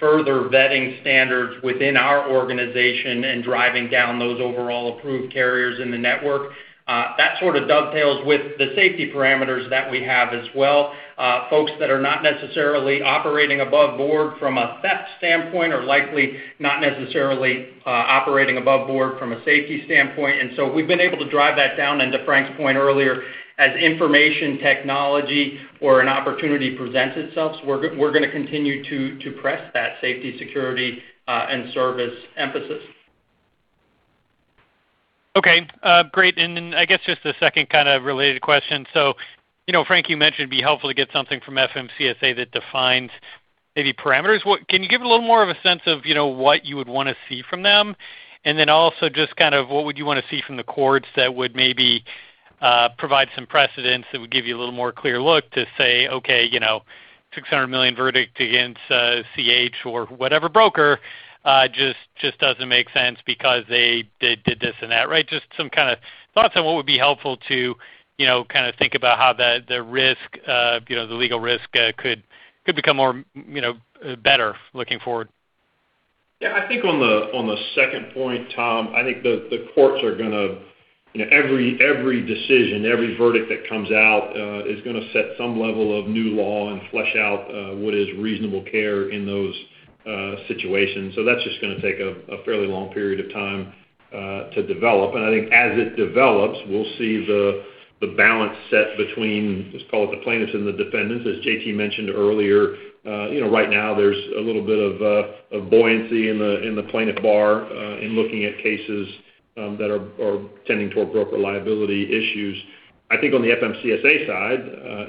further vetting standards within our organization and driving down those overall approved carriers in the network. That sort of dovetails with the safety parameters that we have as well. Folks that are not necessarily operating above board from a theft standpoint are likely not necessarily operating above board from a safety standpoint. We've been able to drive that down and to Frank's point earlier, as information technology or an opportunity presents itself, we're going to continue to press that safety, security, and service emphasis. Okay, great. I guess just a second kind of related question. Frank, you mentioned it'd be helpful to get something from FMCSA that defines maybe parameters. Can you give a little more of a sense of what you would want to see from them? Also just what would you want to see from the courts that would maybe provide some precedents that would give you a little more clear look to say, okay, $600 million verdict against CH or whatever broker just doesn't make sense because they did this and that, right? Just some kind of thoughts on what would be helpful to think about how the legal risk could become better looking forward. I think on the second point, Tom, I think the courts are going to, every decision, every verdict that comes out is going to set some level of new law and flesh out what is reasonable care in those situations. That's just going to take a fairly long period of time to develop. I think as it develops, we'll see the balance set between, let's call it the plaintiffs and the defendants. As JT mentioned earlier, right now there's a little bit of buoyancy in the plaintiff bar in looking at cases that are tending toward broker liability issues. I think on the FMCSA side,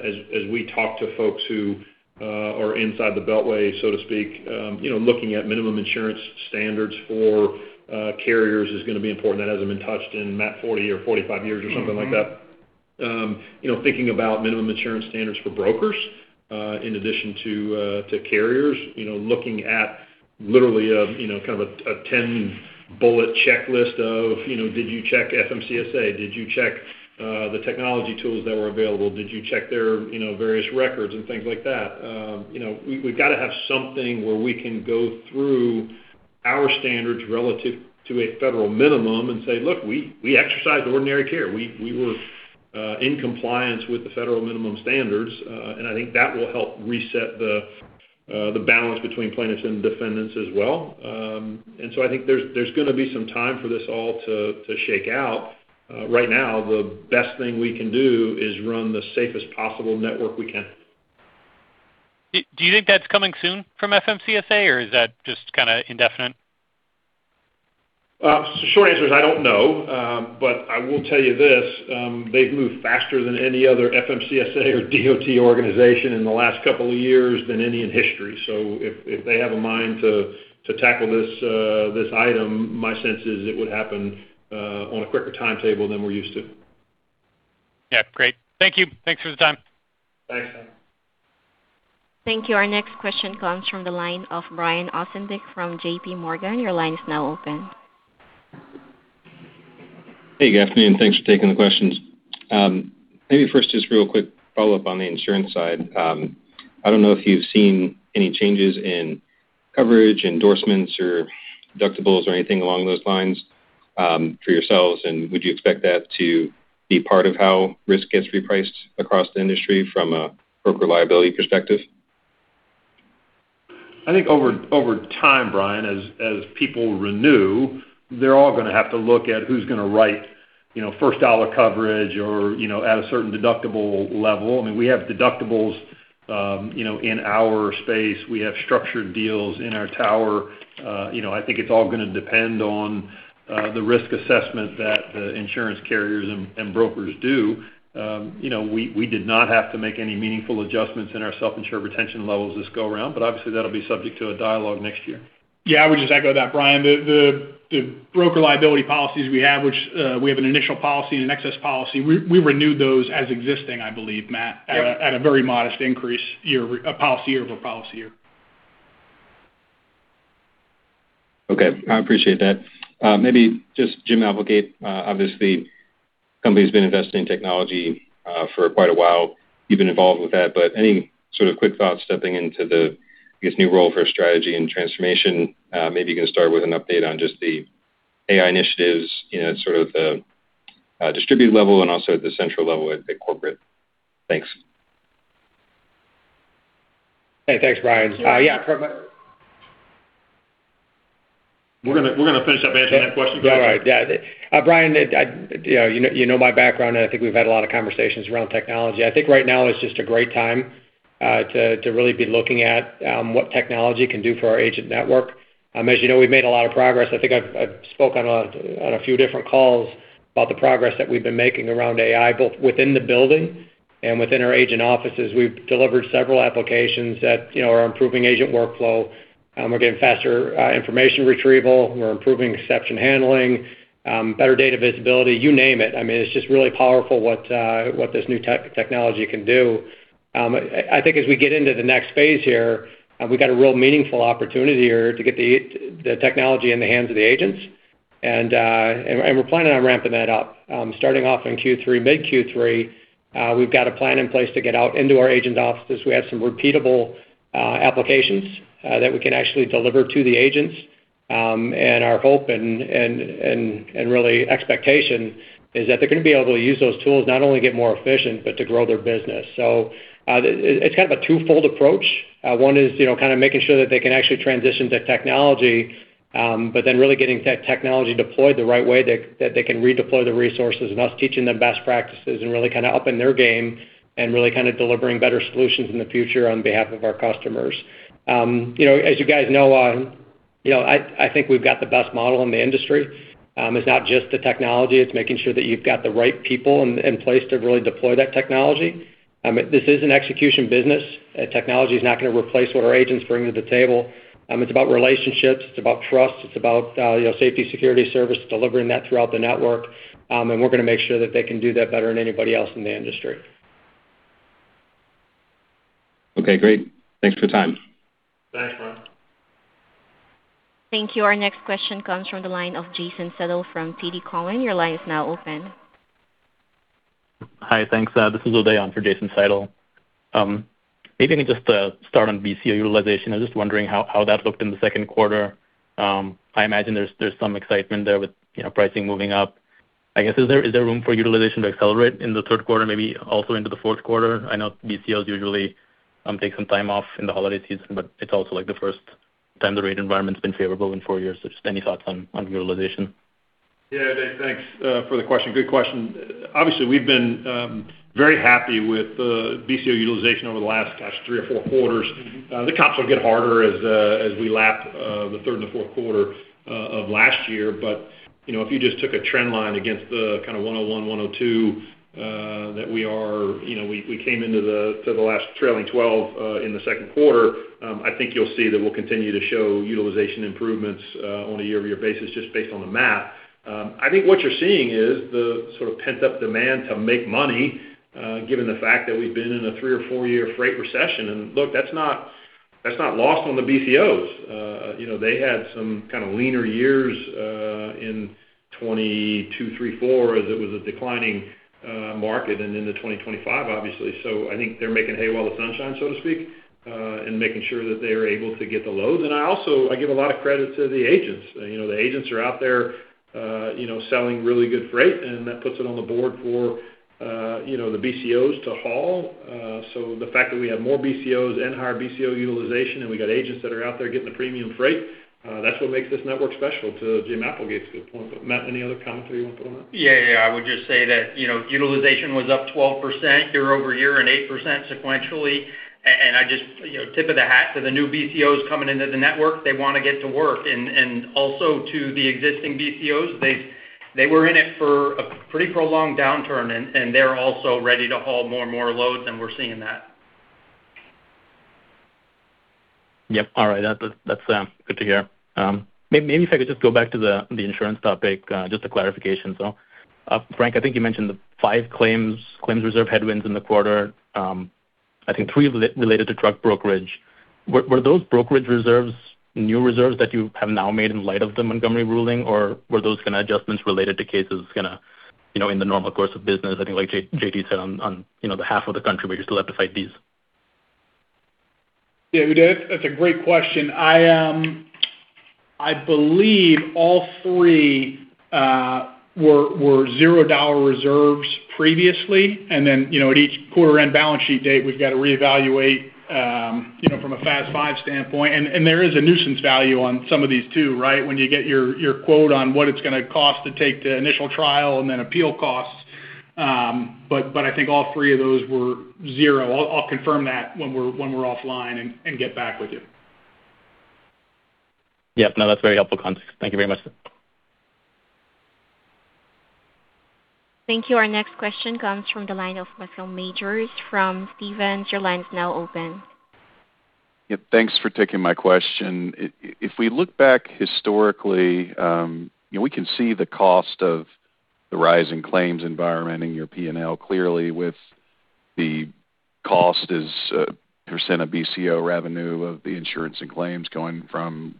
as we talk to folks who are inside the beltway, so to speak, looking at minimum insurance standards for carriers is going to be important. That hasn't been touched in, Matt, 40 or 45 years or something like that. Thinking about minimum insurance standards for brokers in addition to carriers, looking at literally a 10-bullet checklist of, did you check FMCSA? Did you check the technology tools that were available? Did you check their various records and things like that? We've got to have something where we can go through our standards relative to a federal minimum and say, "Look, we exercised ordinary care. We were in compliance with the federal minimum standards." I think that will help reset the balance between plaintiffs and defendants as well. I think there's going to be some time for this all to shake out. Right now, the best thing we can do is run the safest possible network we can. Do you think that's coming soon from FMCSA, or is that just kind of indefinite? The short answer is, I don't know. I will tell you this, they've moved faster than any other FMCSA or DOT organization in the last couple of years than any in history. If they have a mind to tackle this item, my sense is it would happen on a quicker timetable than we're used to. Yeah, great. Thank you. Thanks for the time. Thanks, Tom. Thank you. Our next question comes from the line of Brian Ossenbeck from JPMorgan. Your line is now open. Hey, good afternoon. Thanks for taking the questions. Maybe first, just real quick follow-up on the insurance side. I don't know if you've seen any changes in coverage, endorsements or deductibles or anything along those lines for yourselves, would you expect that to be part of how risk gets repriced across the industry from a broker liability perspective? I think over time, Brian, as people renew, they're all going to have to look at who's going to write first-dollar coverage or at a certain deductible level. We have deductibles in our space. We have structured deals in our tower. I think it's all going to depend on the risk assessment that insurance carriers and brokers do. We did not have to make any meaningful adjustments in our self-insure retention levels this go around, but obviously that'll be subject to a dialogue next year. Yeah, I would just echo that, Brian. The broker liability policies we have, which we have an initial policy and an excess policy, we renewed those as existing, I believe, Matt. Yep At a very modest increase policy year over policy year. Okay. I appreciate that. Maybe just, Jim Applegate, obviously, company's been investing in technology for quite a while. You've been involved with that, but any sort of quick thoughts stepping into the, I guess, new role for strategy and transformation? Maybe you can start with an update on just the AI initiatives, sort of the distribute level and also at the central level at the corporate. Thanks. Hey, thanks, Brian. We're going to finish up answering that question. All right. Brian, you know my background, and I think we've had a lot of conversations around technology. I think right now is just a great time to really be looking at what technology can do for our agent network. As you know, we've made a lot of progress. I think I've spoken on a few different calls about the progress that we've been making around AI, both within the building and within our agent offices. We've delivered several applications that are improving agent workflow. We're getting faster information retrieval. We're improving exception handling, better data visibility, you name it. It's just really powerful what this new technology can do. I think as we get into the next phase here, we've got a real meaningful opportunity here to get the technology in the hands of the agents. We're planning on ramping that up. Starting off in mid Q3, we've got a plan in place to get out into our agent offices. We have some repeatable applications that we can actually deliver to the agents. Our hope and really expectation is that they're going to be able to use those tools not only to get more efficient but to grow their business. It's kind of a twofold approach. One is kind of making sure that they can actually transition to technology but then really getting that technology deployed the right way that they can redeploy the resources and us teaching them best practices and really upping their game and really kind of delivering better solutions in the future on behalf of our customers. As you guys know, I think we've got the best model in the industry. It's not just the technology, it's making sure that you've got the right people in place to really deploy that technology. This is an execution business. Technology is not going to replace what our agents bring to the table. It's about relationships, it's about trust, it's about safety, security, service, delivering that throughout the network, and we're going to make sure that they can do that better than anybody else in the industry. Okay, great. Thanks for the time. Thanks, Brian. Thank you. Our next question comes from the line of Jason Seidl from TD Cowen. Your line is now open. Hi. Thanks. This is Uday on for Jason Seidl. Maybe I can just start on BCO utilization. I was just wondering how that looked in the second quarter. I imagine there's some excitement there with pricing moving up. I guess, is there room for utilization to accelerate in the third quarter, maybe also into the fourth quarter? I know BCOs usually take some time off in the holiday season, but it's also the first time the rate environment's been favorable in four years. Just any thoughts on utilization? Yeah, Uday, thanks for the question. Good question. Obviously, we've been very happy with BCO utilization over the last, gosh, three or four quarters. The comps will get harder as we lap the third and the fourth quarter of last year. If you just took a trend line against the kind of 101, 102 that we came into the last trailing 12 in the second quarter, I think you'll see that we'll continue to show utilization improvements on a year-over-year basis just based on the math. I think what you're seeing is the sort of pent-up demand to make money, given the fact that we've been in a three or four-year freight recession. Look, that's not lost on the BCOs. They had some kind of leaner years in 2022, 2023, 2024, as it was a declining market, and into 2025, obviously. I think they're making hay while the sun shines, so to speak, and making sure that they are able to get the loads. I also give a lot of credit to the agents. The agents are out there selling really good freight, and that puts it on the board for the BCOs to haul. The fact that we have more BCOs and higher BCO utilization, and we got agents that are out there getting the premium freight, that's what makes this network special. To Jim Applegate good point. Matt, any other commentary you want to put on that? Yeah. I would just say that utilization was up 12% year-over-year and 8% sequentially. Tip of the hat to the new BCOs coming into the network. They want to get to work. Also to the existing BCOs. They were in it for a pretty prolonged downturn, and they're also ready to haul more and more loads, and we're seeing that. Yep. All right. That's good to hear. Maybe if I could just go back to the insurance topic, just a clarification. Frank, I think you mentioned the five claims reserve headwinds in the quarter. I think three related to truck brokerage. Were those brokerage reserves new reserves that you have now made in light of the Montgomery ruling, or were those kind of adjustments related to cases in the normal course of business? I think like JT said on the half of the country where you still have to fight these. Yeah, Uday, that's a great question. I believe all three were 0 reserves previously, then at each quarter-end balance sheet date, we've got to reevaluate from a FAS 5 standpoint. There is a nuisance value on some of these, too, right? When you get your quote on what it's going to cost to take the initial trial and then appeal costs. I think all three of those were zero. I'll confirm that when we're offline and get back with you. Yep. No, that's very helpful context. Thank you very much. Thank you. Our next question comes from the line of Bascome Majors from Stephens. Your line is now open. Yep. Thanks for taking my question. If we look back historically, we can see the cost of the rise in claims environment in your P&L clearly with the cost is a percent of BCO revenue of the insurance and claims going from,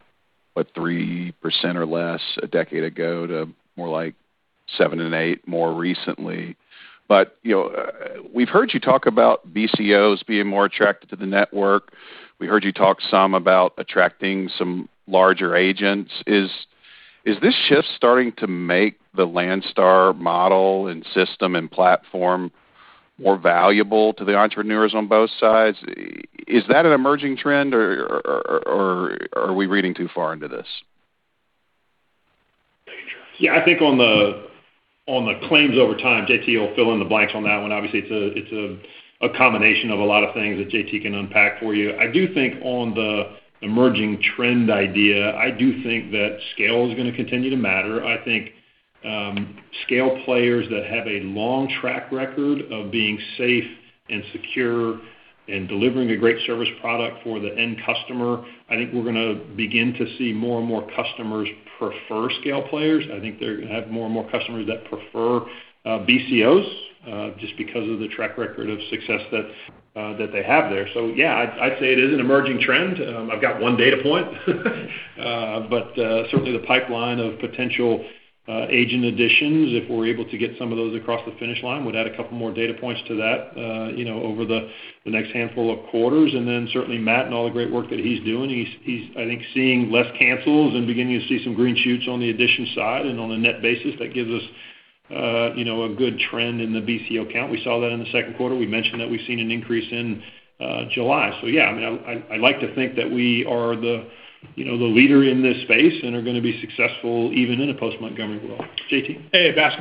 what, 3% or less a decade ago to more like 7% and 8% more recently. We've heard you talk about BCOs being more attracted to the network. We heard you talk some about attracting some larger agents. Is this shift starting to make the Landstar model and system and platform more valuable to the entrepreneurs on both sides? Is that an emerging trend, or are we reading too far into this? I think on the claims over time, JT will fill in the blanks on that one. Obviously, it is a combination of a lot of things that JT can unpack for you. I do think on the emerging trend idea, I do think that scale is going to continue to matter. I think scale players that have a long track record of being safe and secure and delivering a great service product for the end customer, I think we are going to begin to see more and more customers prefer scale players. I think they are going to have more and more customers that prefer BCOs just because of the track record of success that they have there. I'd say it is an emerging trend. I've got one data point, but certainly the pipeline of potential agent additions, if we are able to get some of those across the finish line, would add a couple more data points to that over the next handful of quarters. Certainly Matt and all the great work that he is doing. He is, I think, seeing less cancels and beginning to see some green shoots on the addition side and on the net basis that gives us a good trend in the BCO count. We saw that in the second quarter. We mentioned that we've seen an increase in July. I'd like to think that we are the leader in this space and are going to be successful even in a post-Montgomery world. JT? Hey, Bas.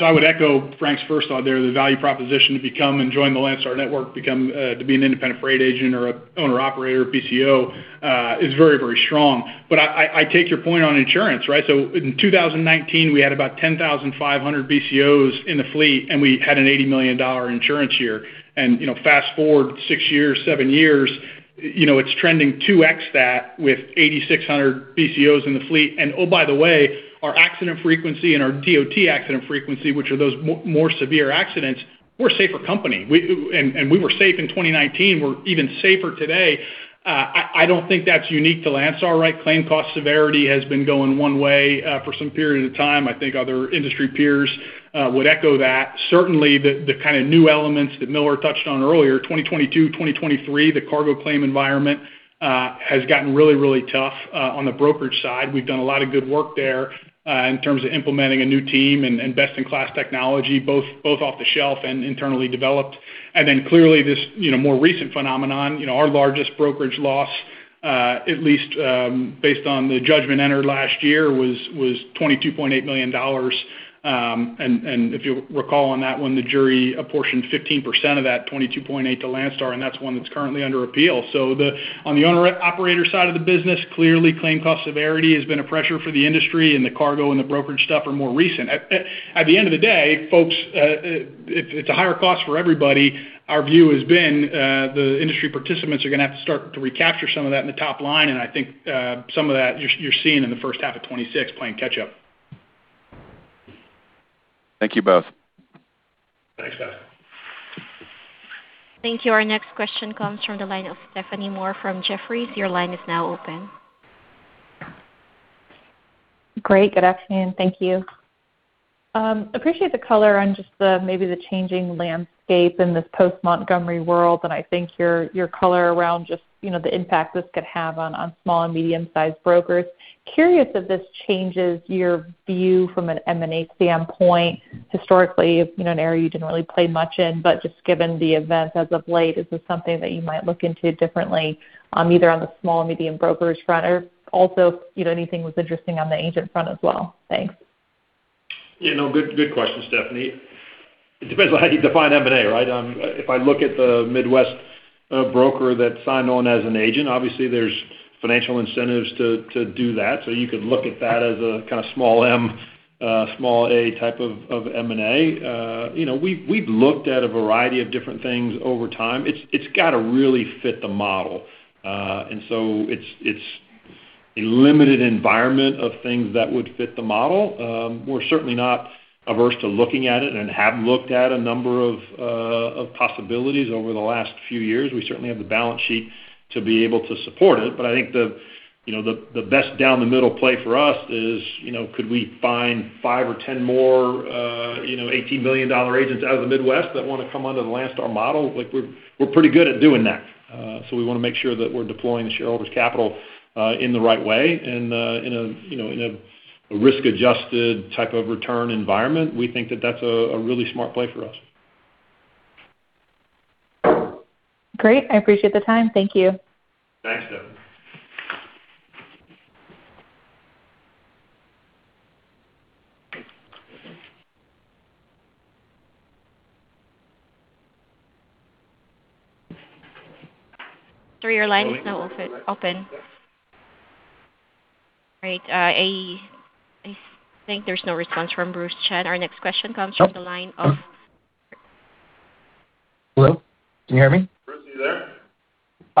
I would echo Frank's first thought there. The value proposition to become and join the Landstar network, to be an independent freight agent or owner-operator BCO is very strong. I take your point on insurance, right? In 2019, we had about 10,500 BCOs in the fleet, and we had an $80 million insurance year. Fast-forward six years, seven years, it's trending 2X that with 8,600 BCOs in the fleet. Oh, by the way, our accident frequency and our DOT accident frequency, which are those more severe accidents, we're a safer company. We were safe in 2019. We're even safer today. I don't think that's unique to Landstar, right? Claim cost severity has been going one way for some period of time. I think other industry peers would echo that. Certainly, the kind of new elements that Miller touched on earlier, 2022, 2023, the cargo claim environment has gotten really tough on the brokerage side. We've done a lot of good work there in terms of implementing a new team and best-in-class technology, both off the shelf and internally developed. Clearly this more recent phenomenon, our largest brokerage loss, at least based on the judgment entered last year, was $22.8 million. If you recall on that one, the jury apportioned 15% of that $22.8 million to Landstar, and that's one that's currently under appeal. On the owner operator side of the business, clearly claim cost severity has been a pressure for the industry and the cargo and the brokerage stuff are more recent. At the end of the day, folks, it's a higher cost for everybody. Our view has been the industry participants are going to have to start to recapture some of that in the top line. I think some of that you're seeing in the first half of 2026 playing catch up. Thank you both. Thanks, guys. Thank you. Our next question comes from the line of Stephanie Moore from Jefferies. Your line is now open. Great. Good afternoon. Thank you. Appreciate the color on just maybe the changing landscape in this post-Montgomery world, and I think your color around just the impact this could have on small and medium-sized brokers. Curious if this changes your view from an M&A standpoint. Historically, an area you didn't really play much in, but just given the events as of late, is this something that you might look into differently, either on the small and medium brokers front or also if anything was interesting on the agent front as well? Thanks. Good question, Stephanie. It depends on how you define M&A, right? If I look at the Midwest broker that signed on as an agent, obviously there's financial incentives to do that. You could look at that as a kind of small M, small A type of M&A. We've looked at a variety of different things over time. It's got to really fit the model. It's a limited environment of things that would fit the model. We're certainly not averse to looking at it and have looked at a number of possibilities over the last few years. We certainly have the balance sheet to be able to support it. I think the best down the middle play for us is could we find five or 10 more $18 million agents out of the Midwest that want to come under the Landstar model? We're pretty good at doing that. We want to make sure that we're deploying the shareholders' capital in the right way and in a risk-adjusted type of return environment. We think that that's a really smart play for us. Great. I appreciate the time. Thank you. Thanks, Stephanie. Sir, your line is now open. Great. I think there's no response from Bruce Chen. Our next question comes from the line of- Hello, can you hear me? Bruce, are you there?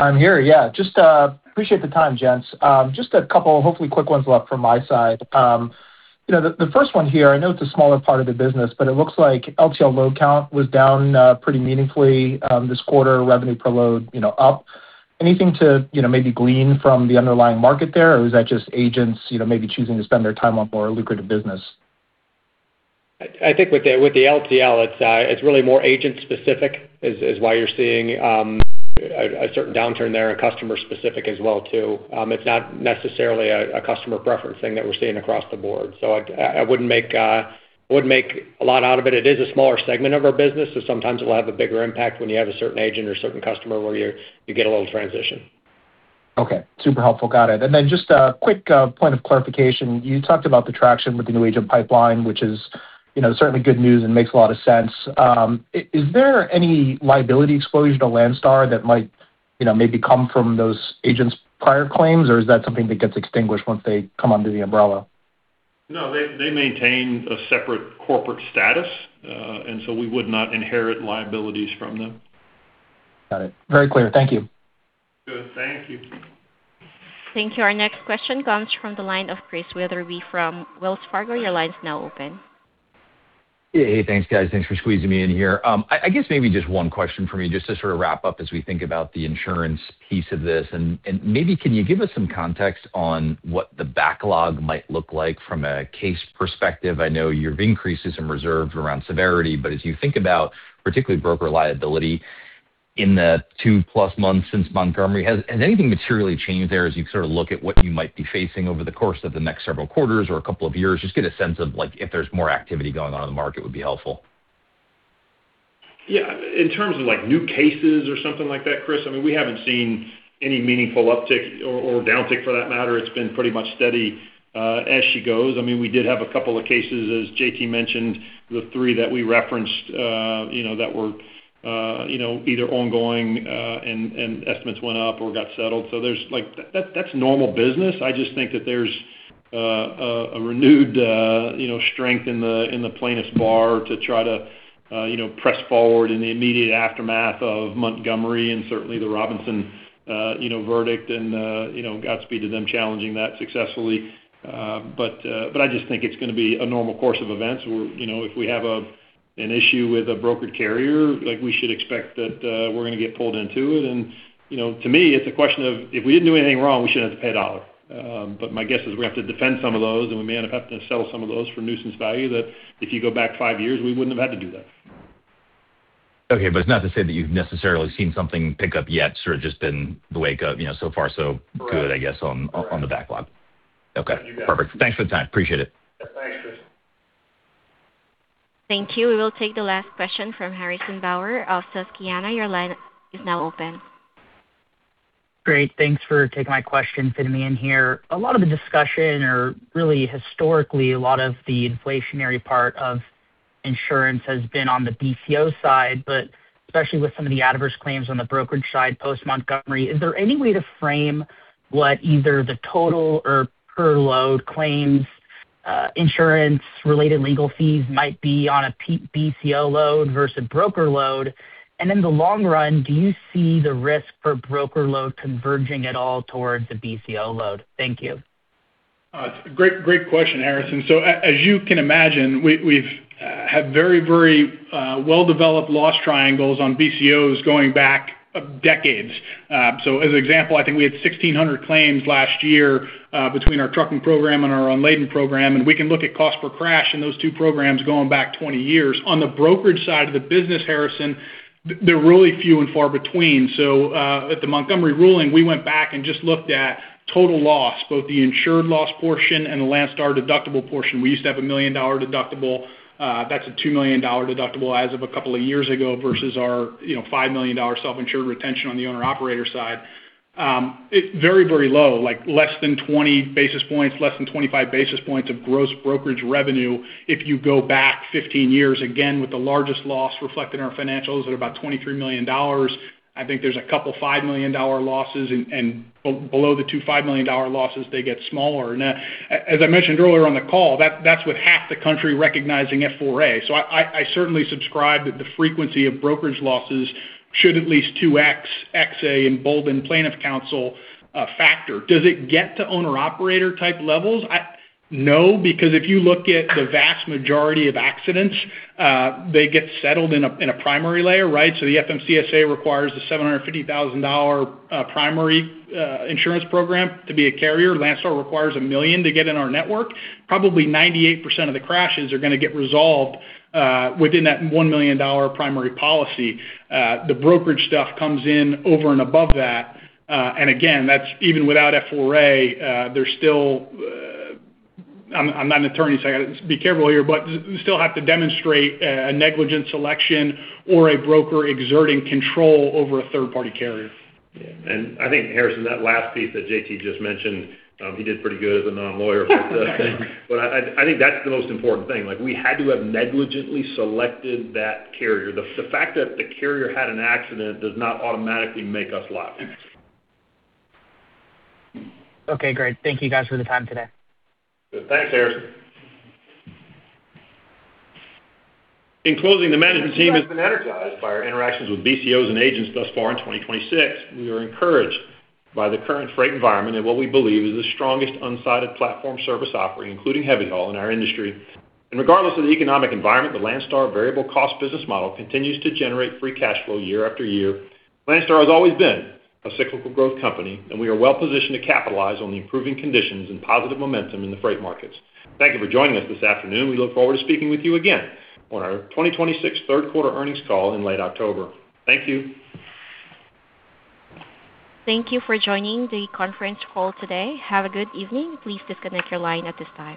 I'm here, yeah. Just appreciate the time, gents. Just a couple hopefully quick ones left from my side. The first one here, I know it's a smaller part of the business, it looks like LTL load count was down pretty meaningfully this quarter, revenue per load up. Anything to maybe glean from the underlying market there? Is that just agents maybe choosing to spend their time on more lucrative business? I think with the LTL, it's really more agent specific is why you're seeing a certain downturn there and customer specific as well too. It's not necessarily a customer preference thing that we're seeing across the board. I wouldn't make a lot out of it. It is a smaller segment of our business, sometimes it will have a bigger impact when you have a certain agent or certain customer where you get a little transition. Okay. Super helpful. Got it. Just a quick point of clarification. You talked about the traction with the new agent pipeline, which is certainly good news and makes a lot of sense. Is there any liability exposure to Landstar that might maybe come from those agents' prior claims? Is that something that gets extinguished once they come under the umbrella? No, they maintain a separate corporate status. We would not inherit liabilities from them. Got it. Very clear. Thank you. Good. Thank you. Thank you. Our next question comes from the line of Chris Wetherbee from Wells Fargo. Your line is now open. Hey, thanks guys. Thanks for squeezing me in here. I guess maybe just one question from me, just to sort of wrap up as we think about the insurance piece of this. Maybe can you give us some context on what the backlog might look like from a case perspective? I know you've increased some reserves around severity, but as you think about particularly broker liability In the two plus months since Montgomery, has anything materially changed there as you sort of look at what you might be facing over the course of the next several quarters or a couple of years? Just get a sense of if there's more activity going on in the market would be helpful. Yeah. In terms of new cases or something like that, Chris, we haven't seen any meaningful uptick, or downtick for that matter. It's been pretty much steady as she goes. We did have a couple of cases, as JT mentioned, the three that we referenced, that were either ongoing and estimates went up or got settled. That's normal business. I just think that there's a renewed strength in the plaintiffs' bar to try to press forward in the immediate aftermath of Montgomery and certainly the Robinson verdict and, godspeed to them challenging that successfully. I just think it's going to be a normal course of events where if we have an issue with a brokered carrier, we should expect that we're going to get pulled into it. To me, it's a question of, if we didn't do anything wrong, we shouldn't have to pay $1. My guess is we're going to have to defend some of those, and we may end up having to settle some of those for nuisance value that if you go back five years, we wouldn't have had to do that. Okay. It's not to say that you've necessarily seen something pick up yet, sort of just been the wake of so far so good, I guess, on the backlog. Correct. Okay. Thank you, guys. Perfect. Thanks for the time. Appreciate it. Yeah. Thanks, Chris. Thank you. We will take the last question from Harrison Bauer of Susquehanna. Your line is now open. Great. Thanks for taking my question, fitting me in here. A lot of the discussion or really historically, a lot of the inflationary part of insurance has been on the BCO side, but especially with some of the adverse claims on the brokerage side post Montgomery, is there any way to frame what either the total or per load claims insurance related legal fees might be on a BCO load versus broker load? In the long run, do you see the risk for broker load converging at all towards a BCO load? Thank you. Great question, Harrison. As you can imagine, we've had very well-developed loss triangles on BCOs going back decades. As an example, I think we had 1,600 claims last year between our trucking program and our unladen program, and we can look at cost per crash in those two programs going back 20 years. On the brokerage side of the business, Harrison, they're really few and far between. At the Montgomery ruling, we went back and just looked at total loss, both the insured loss portion and the Landstar deductible portion. We used to have a $1 million deductible. That's a $2 million deductible as of a couple of years ago versus our $5 million self-insured retention on the owner-operator side. It's very low, like less than 20 basis points, less than 25 basis points of gross brokerage revenue if you go back 15 years, again, with the largest loss reflected in our financials at about $23 million. I think there's a couple $5 million losses, and below the two $5 million losses, they get smaller. As I mentioned earlier on the call, that's with half the country recognizing F4A. I certainly subscribe that the frequency of brokerage losses should at least 2X, XA, and Bolden plaintiff counsel factor. Does it get to owner-operator type levels? No, because if you look at the vast majority of accidents, they get settled in a primary layer. The FMCSA requires a $750,000 primary insurance program to be a carrier. Landstar requires $1 million to get in our network. Probably 98% of the crashes are going to get resolved within that $1 million primary policy. The brokerage stuff comes in over and above that. Again, even without F4A, there's still I'm not an attorney, so I got to be careful here, but you still have to demonstrate a negligent selection or a broker exerting control over a third-party carrier. Yeah. I think, Harrison, that last piece that JT just mentioned, he did pretty good as a non-lawyer. I think that's the most important thing. We had to have negligently selected that carrier. The fact that the carrier had an accident does not automatically make us liable. Okay, great. Thank you guys for the time today. Thanks, Harrison. In closing, the management team has been energized by our interactions with BCOs and agents thus far in 2026. We are encouraged by the current freight environment and what we believe is the strongest unrivaled platform service offering, including heavy haul in our industry. Regardless of the economic environment, the Landstar variable cost business model continues to generate free cash flow year after year. Landstar has always been a cyclical growth company, and we are well-positioned to capitalize on the improving conditions and positive momentum in the freight markets. Thank you for joining us this afternoon. We look forward to speaking with you again on our 2026 third quarter earnings call in late October. Thank you. Thank you for joining the conference call today. Have a good evening. Please disconnect your line at this time.